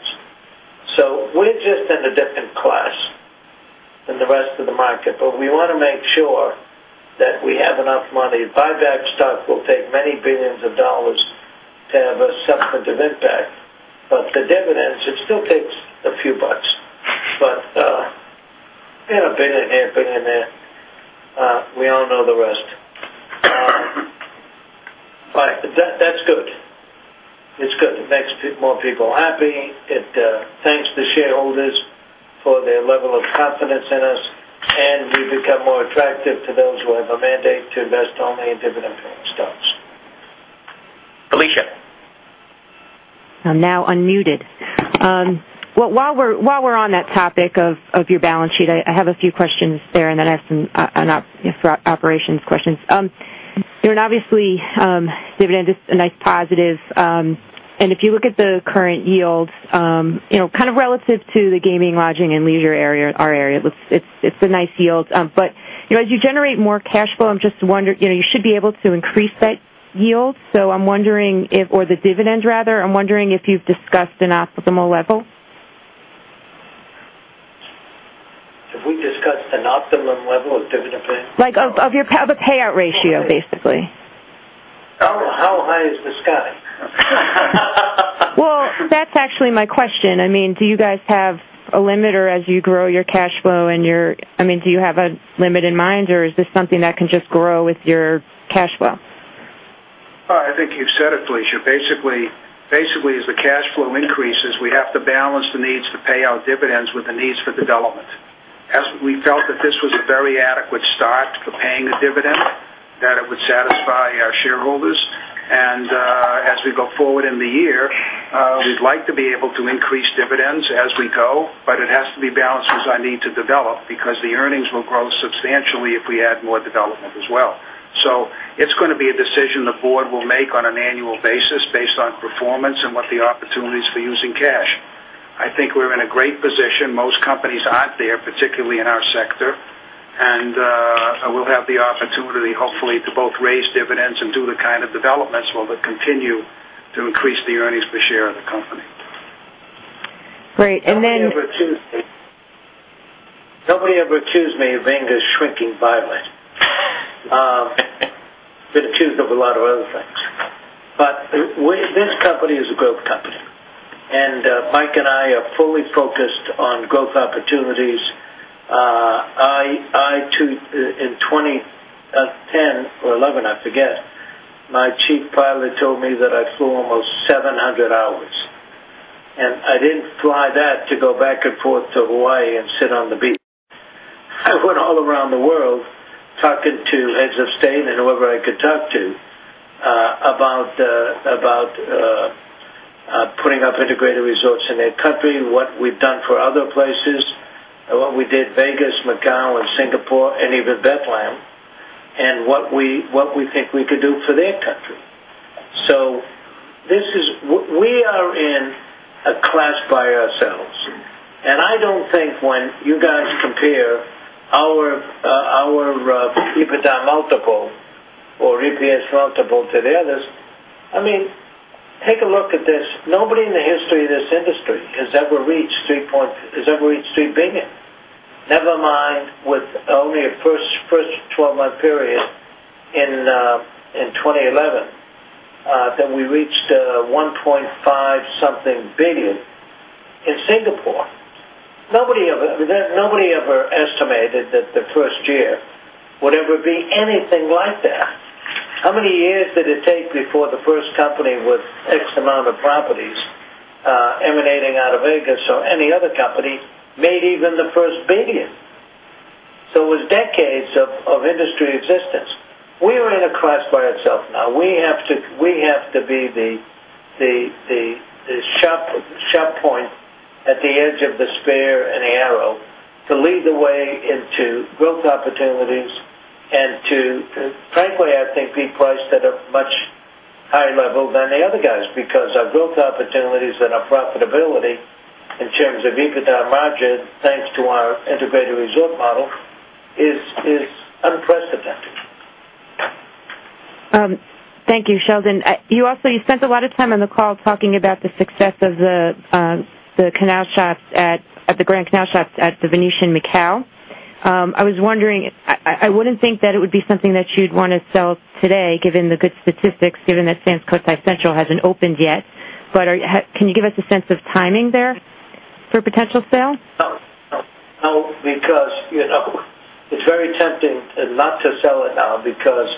We're just in a different class than the rest of the market. We want to make sure that we have enough money. Buyback stock will take many billions of dollars to have a sufferative impact. The dividends, it still takes a few bucks. You know, a billion here, a billion there, we all know the rest. That's good. It's good. It makes more people happy. It thanks the shareholders for their level of confidence in us. We've become more attractive to those who have a mandate to invest only in dividend-paying stocks. Felicia. I'm now unmuted. While we're on that topic of your balance sheet, I have a few questions there, and then I have some operations questions. You're an obviously dividendist and a positive. If you look at the current yield, you know, kind of relative to the gaming, lodging, and leisure area, our area, it's a nice yield. As you generate more cash flow, I'm just wondering, you know, you should be able to increase that yield. I'm wondering if, or the dividend rather, I'm wondering if you've discussed an optimal level. Have we discussed an optimum level of dividend? Like the payout ratio, basically. How high is the sky? Do you guys have a limit, or as you grow your cash flow, do you have a limit in mind, or is this something that can just grow with your cash flow? I think you've said it, Felicia. Basically, as the cash flow increases, we have to balance the needs to pay our dividends with the needs for development. We felt that this was a very adequate stock for paying a dividend, that it would satisfy our shareholders. As we go forward in the year, we'd like to be able to increase dividends as we go, but it has to be balanced as I need to develop because the earnings will grow substantially if we add more development as well. It is going to be a decision the board will make on an annual basis based on performance and what the opportunities for using cash are. I think we're in a great position. Most companies aren't there, particularly in our sector. We'll have the opportunity, hopefully, to both raise dividends and do the kind of developments that will continue to increase the earnings per share of the company. Great. Then. Somebody ever accused me of being a shrinking pilot for the tune of a lot of other things. This company is a growth company. Mike and I are fully focused on growth opportunities. In 2010 or 2011, I forget, my chief pilot told me that I flew almost 700 hours. I didn't fly that to go back and forth to Hawaii and sit on the beach. I went all around the world talking to heads of state and whoever I could talk to about putting up integrated resorts in their country, what we've done for other places, and what we did in Las Vegas, Macau, and Singapore, and even Bethlehem, and what we think we could do for their country. We are in a class by ourselves. I don't think when you guys compare our EBITDA multiple or EPS multiple to the others, I mean, take a look at this. Nobody in the history of this industry has ever reached $3 billion, never mind with only a first 12-month period in 2011 that we reached $1.5-something billion in Singapore. Nobody ever estimated that the first year would ever be anything like that. How many years did it take before the first company with X amount of properties emanating out of Las Vegas or any other company made even the first billion? It was decades of industry existence. We are in a class by ourselves now. We have to be the sharp point at the edge of the spear and the arrow to lead the way into growth opportunities and to, frankly, I think be priced at a much higher level than the other guys because our growth opportunities and our profitability in terms of EBITDA and margin, thanks to our integrated resort model, is unprecedented. Thank you, Sheldon. You also spent a lot of time on the call talking about the success of the Grand Canal Shoppes at The Venetian Macau. I was wondering, I wouldn't think that it would be something that you'd want to sell today, given the good statistics, given that Sands Cotai Central hasn't opened yet. Can you give us a sense of timing there for potential sale? Oh, because you know it's very tempting not to sell it now because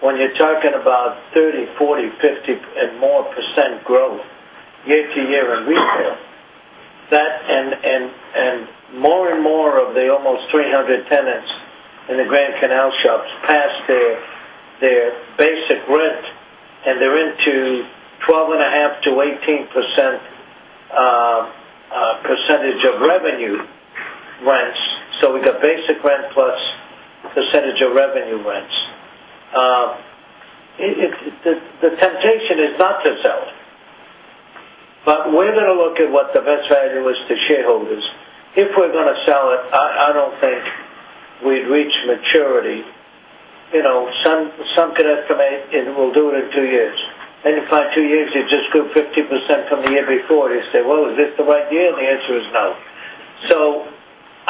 when you're talking about 30%, 40%, 50%, and more percent growth year to year in retail, that and more and more of the almost 300 tenants in the Grand Canal Shoppes pass their basic rent, and they're into 12.5%-18% percentage of revenue rents. With the basic rent plus the percentage of revenue rents, the temptation is not to sell it. We're going to look at what the best value is to shareholders. If we're going to sell it, I don't think we'd reach maturity. Some could estimate we'll do it in two years. In five, two years, you just grew 50% from the year before. They say, "Is this the right deal?" The answer is no.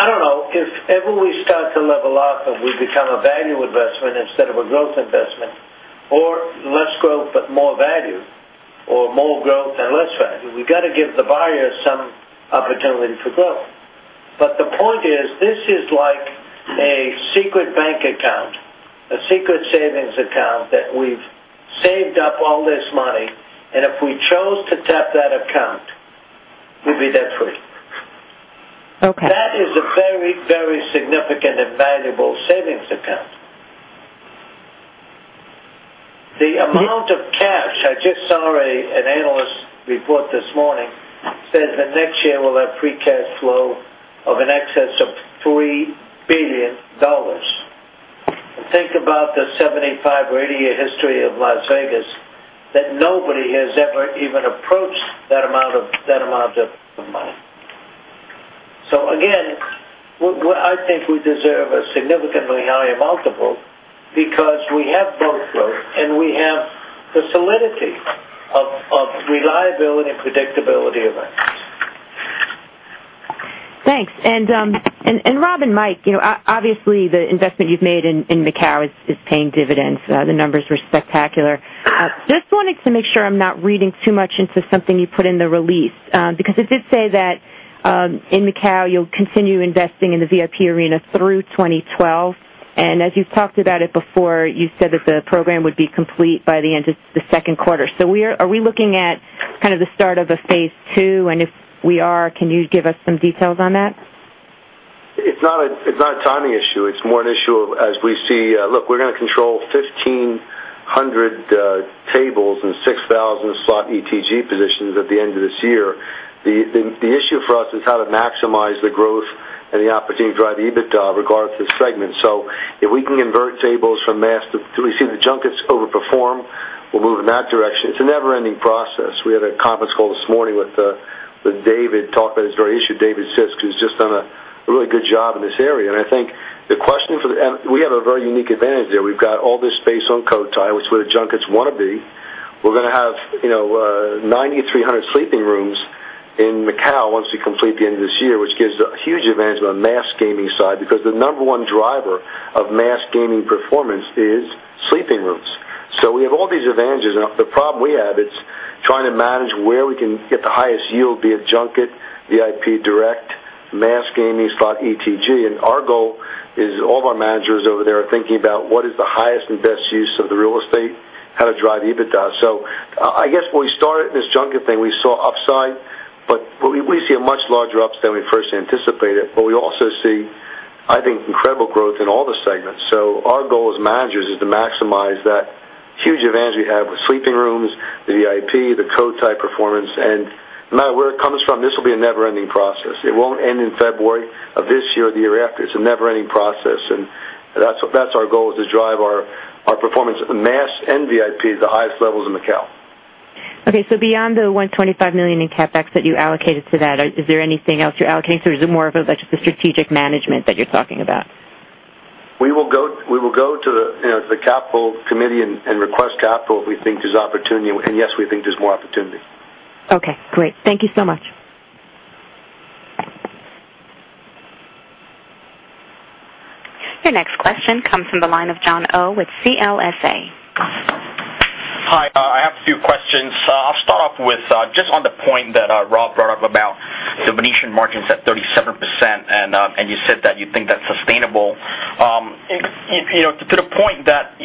I don't know. If ever we start to level off and we become a value investment instead of a growth investment, or less growth but more value, or more growth and less value, we got to give the buyers some opportunity for growth. The point is, this is like a secret bank account, a secret savings account that we've saved up all this money. If we chose to tap that account, we'd be debt-free. Okay. That is a very, very significant and valuable savings account. The amount of cash I just saw an analyst report this morning says the next year we'll have free cash flow in excess of $3 billion. Think about the 75 or 80-year history of Las Vegas that nobody has ever even approached that amount of money. I think we deserve a significantly higher multiple because we have both of those, and we have the solidity of reliability and predictability of it. Thanks. Rob and Mike, obviously, the investment you've made in Macau is paying dividends. The numbers were spectacular. I just wanted to make sure I'm not reading too much into something you put in the release because it did say that in Macau, you'll continue investing in the VIP arena through 2012. As you've talked about it before, you said that the program would be complete by the end of the second quarter. Are we looking at kind of the start of a phase II? If we are, can you give us some details on that? It's not a timing issue. It's more an issue of, as we see, look, we're going to control 1,500 tables and 6,000 slot ETG positions at the end of this year. The issue for us is how to maximize the growth and the opportunity to drive the EBITDA regardless of the segment. If we can convert tables from mass to we've seen the junkets overperform, we'll move in that direction. It's a never-ending process. We had a conference call this morning with David talking about this very issue. David Sisk has just done a really good job in this area. I think the questioning for the end, we have a very unique advantage there. We've got all this space on Cotai, which is where the junkets want to be. We're going to have, you know, 9,300 sleeping rooms in Macau once we complete the end of this year, which gives a huge advantage on the mass gaming side because the number one driver of mass gaming performance is sleeping rooms. We have all these advantages. The problem we have, it's trying to manage where we can get the highest yield via junket, VIP direct, mass gaming slot ETG. Our goal is all of our managers over there are thinking about what is the highest and best use of the real estate, how to drive EBITDA. I guess when we started this junket thing, we saw upside, but we see a much larger upside than we first anticipated. We also see, I think, incredible growth in all the segments. Our goal as managers is to maximize that huge advantage we have with sleeping rooms, the VIP, the Cotai performance. No matter where it comes from, this will be a never-ending process. It won't end in February of this year or the year after. It's a never-ending process. That's what our goal is to drive our performance in mass and VIP to the highest levels in Macau. Okay. Beyond the $125 million in CapEx that you allocated to that, is there anything else you're allocating? Is it more of just the strategic management that you're talking about? We will go to the capital committee and request capital if we think there's opportunity. Yes, we think there's more opportunity. Okay. Great. Thank you so much. Your next question comes from the line of Jon Oh with CLSA. Hi. I have a few questions. I'll start off with just on the point that Rob brought up about The Venetian margins at 37%. You said that you think that's sustainable. To the point that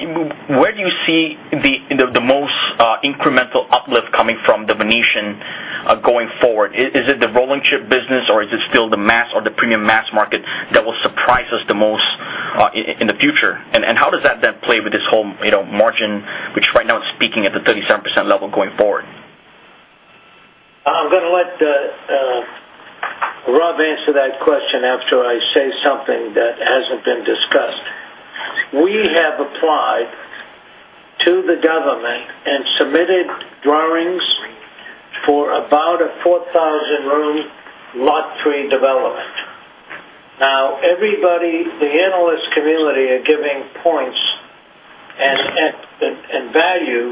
where do you see the most incremental uplift coming from The Venetian going forward? Is it the rolling ship business, or is it still the mass or the premium mass market that will surprise us the most in the future? How does that then play with this whole margin, which right now is peaking at the 37% level going forward? I'm going to let Rob answer that question after I say something that hasn't been discussed. We have applied to the government and submitted drawings for about a 4,000-room Lot 3 development. Now, everybody, the analyst community, is giving points and value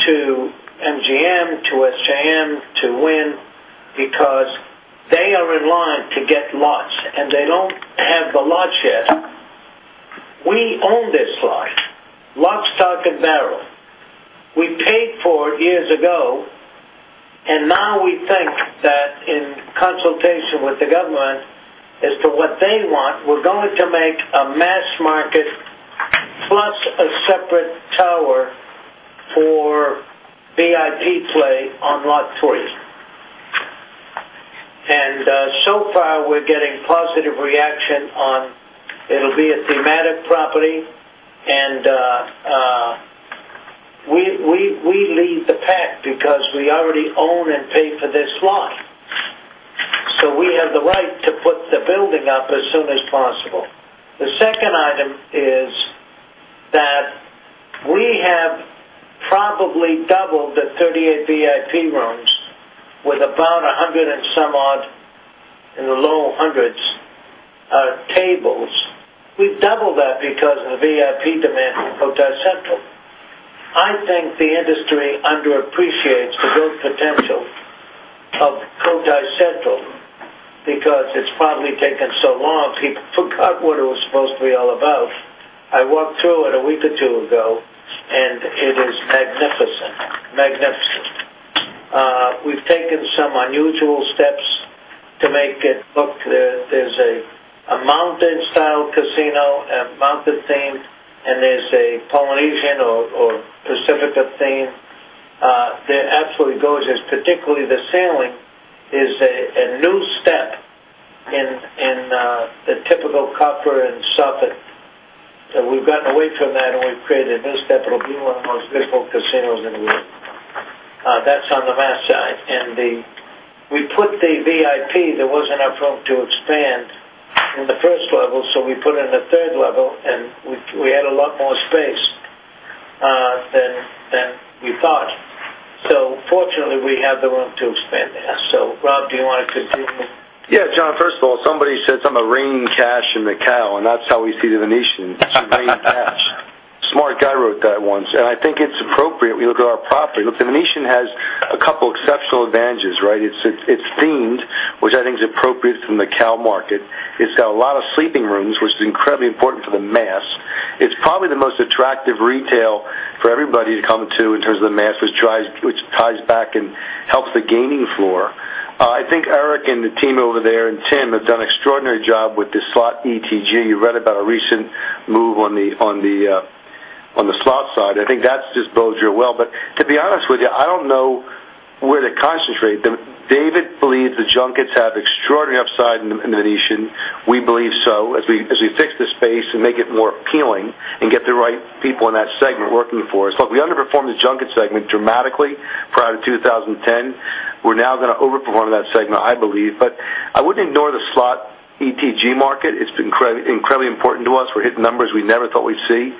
to MGM, to SJM, to Wynn because they are in line to get lots, and they don't have the lots yet. We own this lot, lock, stock, and barrel. We paid for it years ago. Now we think that in consultation with the government as to what they want, we're going to make a mass market plus a separate tower for VIP play on lot three. So far, we're getting positive reaction on it'll be a thematic property. We leave that because we already own and paid for this lot. We have the right to put the building up as soon as possible. The second item is that we have probably doubled the 38 VIP rooms with about 100 and some odd, in the low 100s, tables. We've doubled that because of the VIP demand from Cotai Central. I think the industry underappreciates the growth potential of Cotai Central because it's probably taken so long people forgot what it was supposed to be all about. I walked through it a week or two ago, and it is magnificent, magnificent. We've taken some unusual steps to make it look, there's a mountain-style casino and mountain theme, and there's a Polynesian or Pacifica theme. That actually goes as particularly the ceiling is a new step in the typical copper and stuff. We've gotten away from that, and we've created a new step. It'll be one of the most beautiful casinos in the world. That's on the mass side. We put the VIP that wasn't our plan to expand on the first level. We put it in the third level, and we had a lot more space than you thought. Fortunately, we have the room to expand there. Rob, do you want to continue? Yeah, Jon. First of all, somebody said something about raining cash in Macau, and that's how we see The Venetian. Mark wrote that once, and I think it's appropriate we look at our property. Look, The Venetian has a couple of exceptional advantages, right? It's themed, which I think is appropriate for the Macau market. It's got a lot of sleeping rooms, which is incredibly important for the mass. It's probably the most attractive retail for everybody to come to in terms of the mass, which ties back and helps the gaming floor. I think Eric and the team over there and Tim have done an extraordinary job with the slot ETG. You read about a recent move on the slot side. I think that just bodes well. To be honest with you, I don't know where to concentrate. David believes the junkets have extraordinary upside in The Venetian. We believe so as we fix the space and make it more appealing and get the right people in that segment working for us. Look, we underperformed the junket segment dramatically prior to 2010. We're now going to overperform in that segment, I believe. I wouldn't ignore the slot ETG market. It's incredibly important to us. We're hitting numbers we never thought we'd see.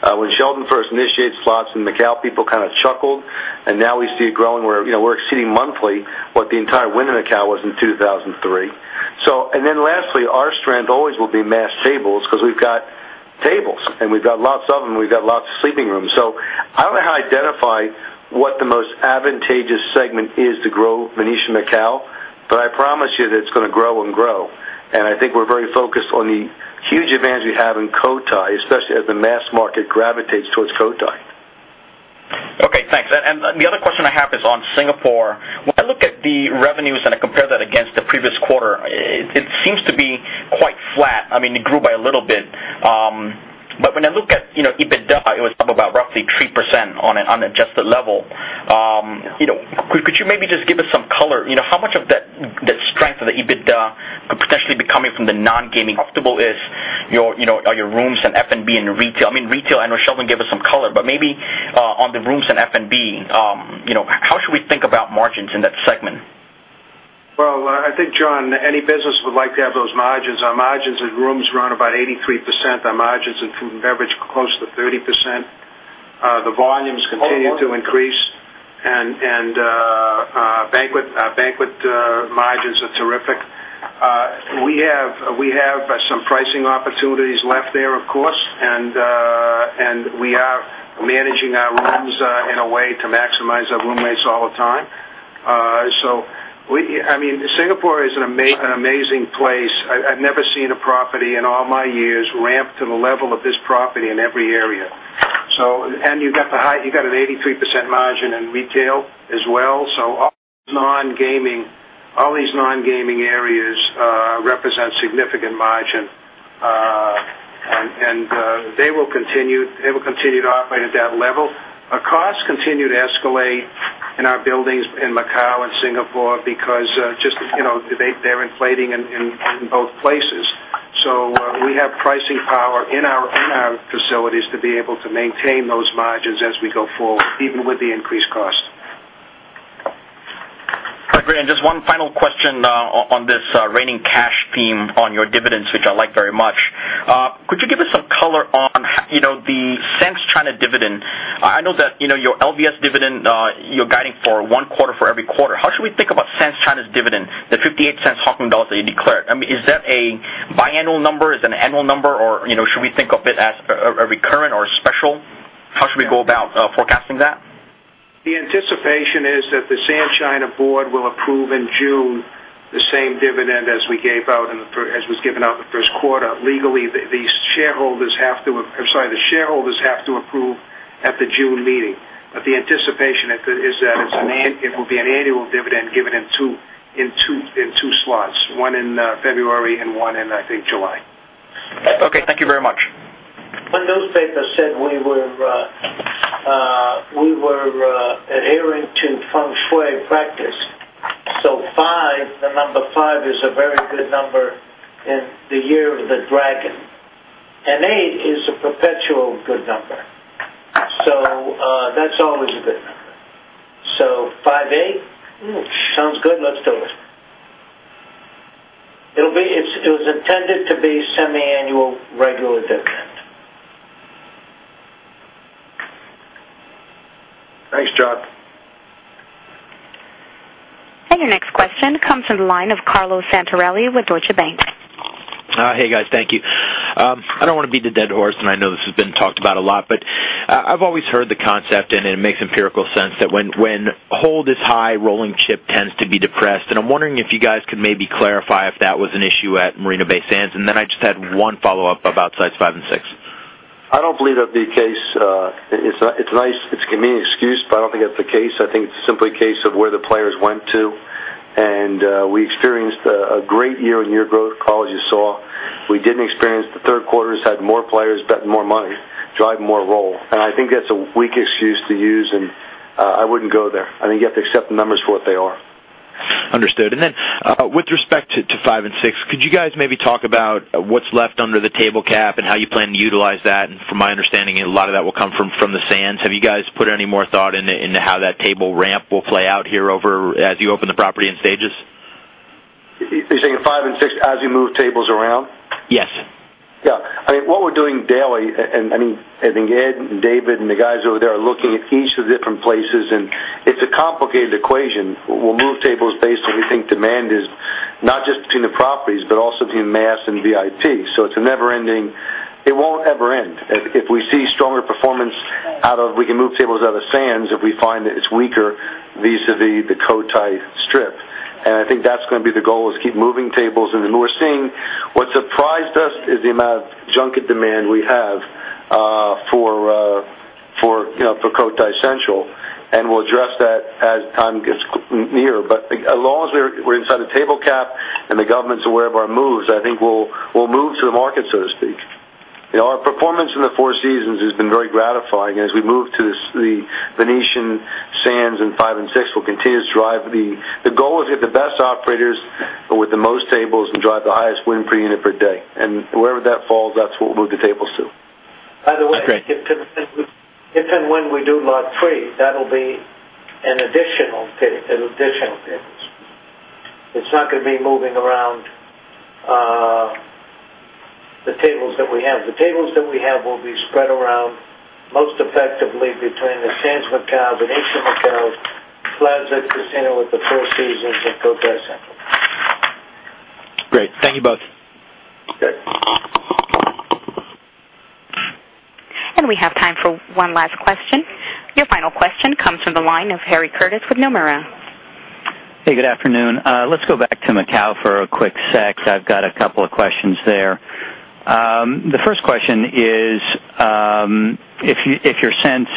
When Sheldon first initiated slots in Macau, people kind of chuckled. Now we see it growing where you know we're exceeding monthly what the entire win in Macau was in 2003. Lastly, our strength always will be mass tables because we've got tables, and we've got lots of them, and we've got lots of sleeping rooms. I don't know how to identify what the most advantageous segment is to grow The Venetian Macau, but I promise you that it's going to grow and grow. I think we're very focused on the huge advantage we have in Cotai, especially as the mass market gravitates towards Cotai. Okay. Thanks. The other question I have is on Singapore. When I look at the revenues and I compare that against the previous quarter, it seems to be quite flat. I mean, it grew by a little bit. When I look at EBITDA, it was up about roughly 3% on an unadjusted level. Could you maybe just give us some color? How much of that strength of the EBITDA could potentially be coming from the non-gaming? Profitable are your rooms and F&B in retail? I mean, retail, I know Sheldon gave us some color, but maybe on the rooms and F&B, how should we think about margins in that segment? I think, Jon, any business would like to have those margins. Our margins in rooms run about 83%. Our margins in food and beverage are close to 30%. The volumes continue to increase, and banquet margins are terrific. We have some pricing opportunities left there, of course. We are managing our rooms in a way to maximize our room rates all the time. Singapore is an amazing place. I've never seen a property in all my years ramp to the level of this property in every area. You've got an 83% margin in retail as well. All these non-gaming areas represent significant margin, and they will continue to operate at that level. Our costs continue to escalate in our buildings in Macau and Singapore. Because they're inflating in both places, we have pricing power in our facilities to be able to maintain those margins as we go forward, even with the increased cost. I agree. Just one final question on this reigning cash theme on your dividends, which I like very much. Could you give us some color on the Sands China dividend? I know that your LVS dividend, you're guiding for one every quarter. How should we think about Sands China's dividend, the HKD $0.58 that you declared? Is that a biannual number? Is that an annual number? Or should we think of it as a recurrent or a special? How should we go about forecasting that? The anticipation is that the Sands China board will approve in June the same dividend as was given out in the first quarter. Legally, the shareholders have to approve at the June meeting. The anticipation is that it will be an annual dividend given in two slots, one in February and one in, I think, July. That's okay. Thank you very much. On those dates, I said we were entering into feng shui practice. Five is a very good number in the year of the dragon, and eight is a perpetual good number. That's always a good number. Five, eight? Ooh, sounds good. Let's do it. It was intended to be semi-annual regular dividend. Thanks, Jon. Your next question comes from the line of Carlo Santarelli with Deutsche Bank. Hey, guys. Thank you. I don't wanna beat the dead horse, and I know this has been talked about a lot, but I've always heard the concept, and it makes empirical sense that when hold is high, rolling chip tends to be depressed. I'm wondering if you guys could maybe clarify if that was an issue at Marina Bay Sands? I just had one follow-up about size five and six. I don't believe that'd be the case. It's a nice excuse, but I don't think that's the case. I think it's simply a case of where the players went to. We experienced great year-on-year growth, as you saw. We didn't experience the third quarters had more players betting more money, driving more roll. I think that's a weak excuse to use, and I wouldn't go there. I think you have to accept the numbers for what they are. Understood. With respect to five and six, could you guys maybe talk about what's left under the table cap and how you plan to utilize that? From my understanding, a lot of that will come from the Sands. Have you guys put any more thought into how that table ramp will play out here as you open the property in stages? You're saying five and six as you move tables around? Yes. Yeah. I mean, what we're doing daily, and I think Ed and David and the guys over there are looking at each of the different places, and it's a complicated equation. We'll move tables based on we think demand is not just between the properties, but also between mass and VIP. It's a never-ending process. If we see stronger performance out of, we can move tables out of Sands if we find that it's weaker vis-a-vis the Cotai Strip. I think that's going to be the goal, keep moving tables. What surprised us is the amount of junket demand we have for, you know, for Cotai Central. We'll address that as time gets near. As long as we're inside the table cap and the government's aware of our moves, I think we'll move to the market, so to speak. Our performance in The Four Seasons has been very gratifying. As we move to the Venetian, Sands, and five and six, we'll continue to drive. The goal is to get the best operators with the most tables and drive the highest win per unit per day. Wherever that falls, that's what we'll move the tables to. By the way. That's right. If and when we do Lot 3, that'll be additional tables. It's not going to be moving around the tables that we have. The tables that we have will be spread around most effectively between the Sands Hotel and Venetian hotels, Plaza Casino with the Four Seasons, and Cotai Central. Great. Thank you both. We have time for one last question. Your final question comes from the line of Harry Curtis with Nomura. Hey, good afternoon. Let's go back to Macau for a quick sec. I've got a couple of questions there. The first question is, if your sense,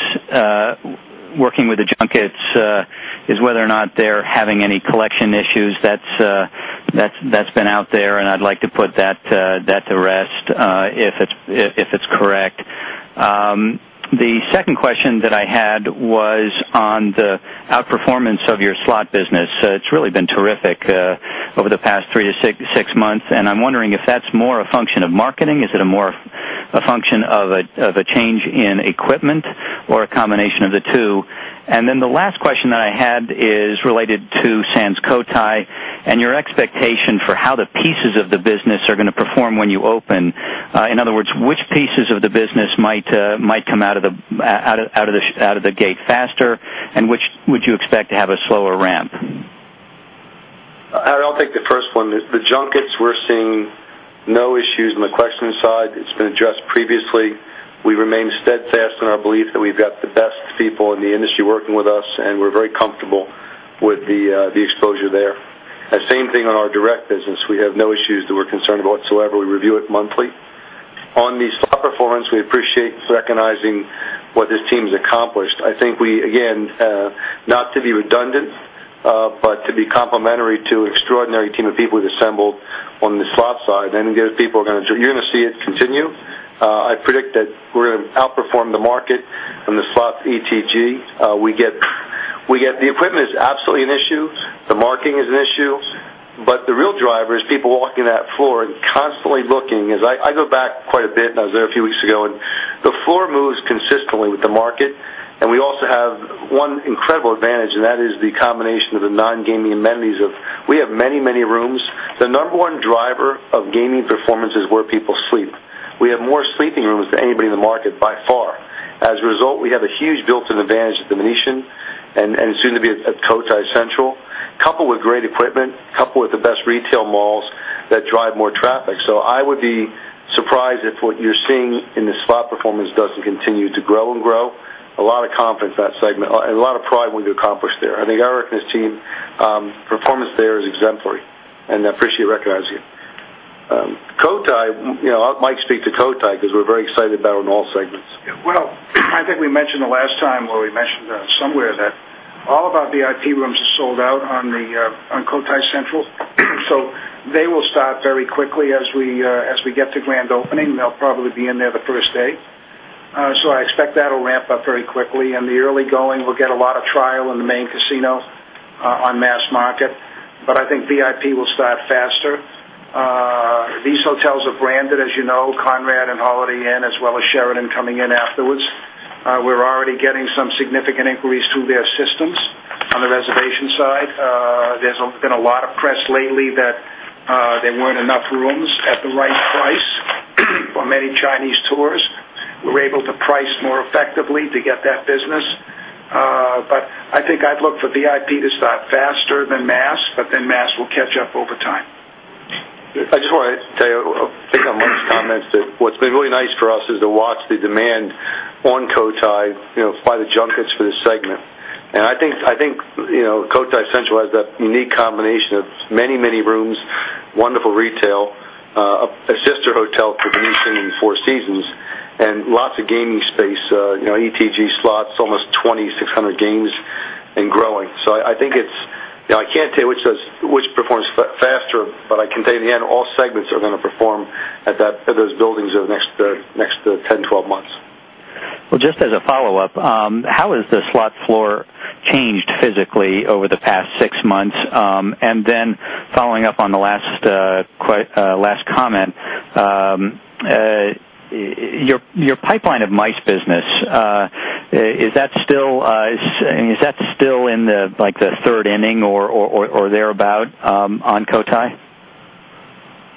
working with the junkets, is whether or not they're having any collection issues. That's been out there, and I'd like to put that to rest, if it's correct. The second question that I had was on the outperformance of your slot business. It's really been terrific over the past three to six months. I'm wondering if that's more a function of marketing, a change in equipment, or a combination of the two. The last question that I had is related to Sands Cotai and your expectation for how the pieces of the business are going to perform when you open. In other words, which pieces of the business might come out of the gate faster, and which would you expect to have a slower ramp? I don't think the first one. The junkets, we're seeing no issues on the collection side. It's been addressed previously. We remain steadfast in our belief that we've got the best people in the industry working with us, and we're very comfortable with the exposure there. Same thing on our direct business. We have no issues that we're concerned about whatsoever. We review it monthly. On the slot performance, we appreciate recognizing what this team's accomplished. I think we, again, not to be redundant, but to be complimentary to an extraordinary team of people we've assembled on the slot side. The other people are going to drive, you're going to see it continue. I predict that we're going to outperform the market on the slot ETG. We get the equipment is absolutely an issue. The marketing is an issue. The real driver is people walking to that floor and constantly looking. As I go back quite a bit, and I was there a few weeks ago, the floor moves consistently with the market. We also have one incredible advantage, and that is the combination of the non-gaming amenities. We have many, many rooms. The number one driver of gaming performance is where people sleep. We have more sleeping rooms than anybody in the market by far. As a result, we have a huge built-in advantage at The Venetian and, soon to be at Cotai Central, coupled with great equipment, coupled with the best retail malls that drive more traffic. I would be surprised if what you're seeing in the slot performance doesn't continue to grow and grow. A lot of confidence in that segment, a lot of pride in what you accomplished there. I think I reckon this team, performance there is exemplary. I appreciate you recognizing it. Cotai, you know, I'll let Mike speak to Cotai because we're very excited about it on all segments. I think we mentioned the last time or we mentioned somewhere that all of our VIP rooms are sold out on Cotai Central. They will start very quickly as we get the grand opening. They'll probably be in there the first day. I expect that'll ramp up very quickly. In the early going, we'll get a lot of trial in the main casino on mass market. I think VIP will start faster. These hotels are branded, as you know, Conrad and Holiday Inn, as well as Sheraton coming in afterwards. We're already getting some significant inquiries through their systems on the reservation side. There's been a lot of press lately that there weren't enough rooms at the right price for many Chinese tours. We were able to price more effectively to get that business. I think I'd look for VIP to start faster than mass, but then mass will catch up over time. I just want to tell you, I think that Mike's comments, that what's been really nice for us is to watch the demand on Cotai, you know, by the junkets for this segment. I think, you know, Cotai Central has that unique combination of many, many rooms, wonderful retail, a sister hotel for The Venetian and Four Seasons, and lots of gaming space, you know, ETG slots, almost 2,600 games and growing. I think it's, you know, I can't tell you which of those which performs faster, but I can tell you in the end, all segments are going to perform at those buildings over the next 10, 12 months. How has the slot floor changed physically over the past six months? Following up on the last comment, your pipeline of MICE business, is that still in the third inning or thereabout on Cotai?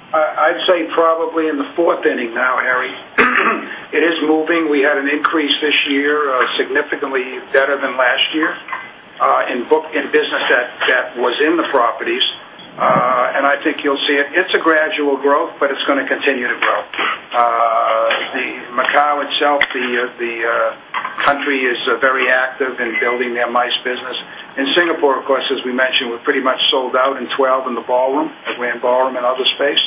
I'd say probably in the fourth inning now, Harry. It is moving. We had an increase this year, significantly better than last year, in book in business that was in the properties. I think you'll see it. It's a gradual growth, but it's going to continue to grow. Macau itself, the country is very active in building their MICE business. In Singapore, of course, as we mentioned, we're pretty much sold out in 2024 in the ballroom, the grand ballroom and other space.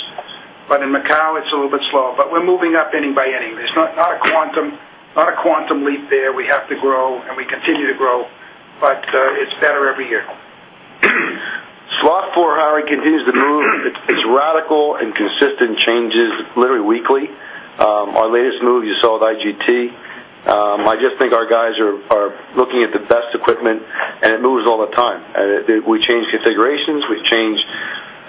In Macau, it's a little bit slower. We're moving up inning by inning. It's not a quantum leap there. We have to grow, and we continue to grow. It's better every year. Slot floor, how it continues to move, it's radical and consistent changes, literally weekly. Our latest move, you saw with IGT. I just think our guys are looking at the best equipment, and it moves all the time. We change configurations. We change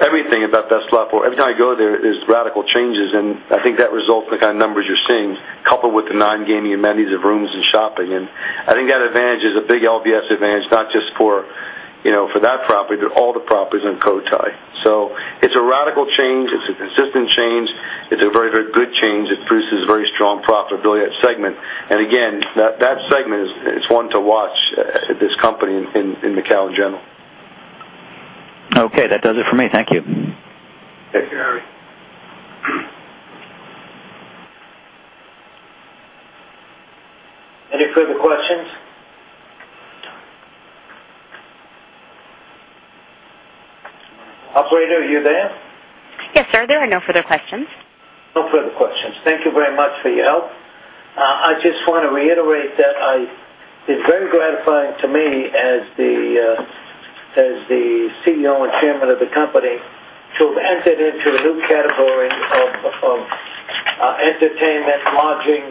everything about that slot floor. Every time I go there, there's radical changes. I think that results in the kind of numbers you're seeing, coupled with the non-gaming amenities of rooms and shopping. I think that advantage is a big Las Vegas Sands advantage, not just for that property, but all the properties on Cotai. It's a radical change. It's a consistent change. It's a very, very good change. It produces very strong profitability at that segment. Again, that segment is one to watch at this company in Macau in general. Okay, that does it for me. Thank you. Any further questions? Operator, are you there? Yes, sir. There are no further questions. No further questions. Thank you very much for your help. I just want to reiterate that it's very gratifying to me as the CEO and Chairman of the company to have entered into the new category of entertainment, lodging,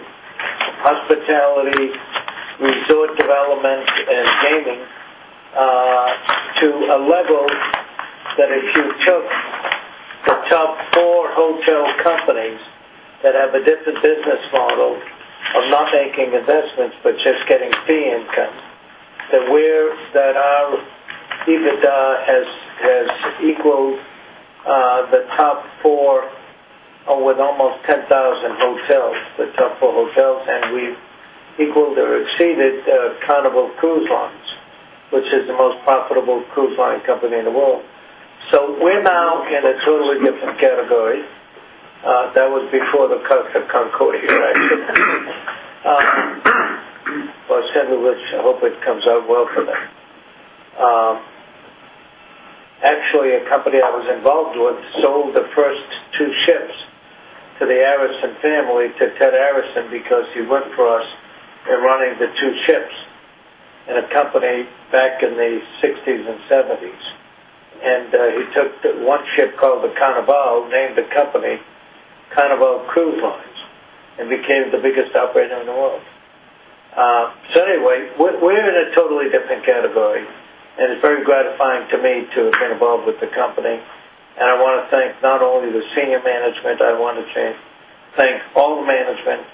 hospitality, resort development, and gaming, to a level that if you took the top four hotel companies that have a different business model of not making investments but just getting fee income, then we have equaled the top four, with almost 10,000 hotels, the top four hotels. We've equaled or exceeded Carnival Cruise Lines, which is the most profitable cruise line company in the world. We're now in a totally different category. That was before the clerk of Concord here, right? I simply wish, I hope it comes out well for them. Actually, a company I was involved with sold the first two ships to the Arison family, to Ted Arison, because he worked for us in running the two ships in a company back in the 1960s and 1970s. He took the one ship called the Carnival, named the company Carnival Cruise Lines, and became the biggest operator in the world. We're in a totally different category. It's very gratifying to me to have been involved with the company. I want to thank not only the senior management. I want to thank all the management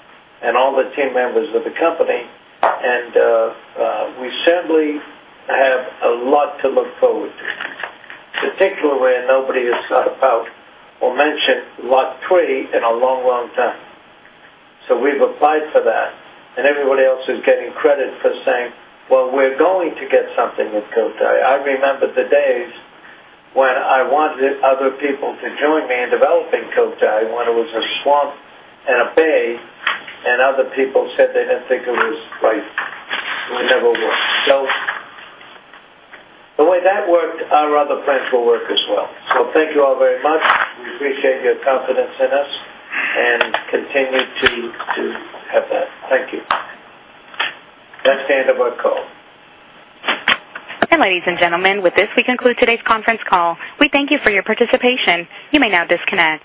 and all the team members of the company. We certainly have a lot to look forward to, particularly where nobody has thought about or mentioned Lot 3 in a long, long time. We've applied for that. Everybody else is getting credit for saying, "We're going to get something at Cotai." I remember the days when I wanted other people to join me in developing Cotai when it was a swamp and a bay. Other people said they didn't think it was like we never were. The way that worked, I'd rather thank for work as well. Thank you all very much. We appreciate your confidence in us and continue to have that. Thank you. Next end of our call. Ladies and gentlemen, with this, we conclude today's conference call. We thank you for your participation. You may now disconnect.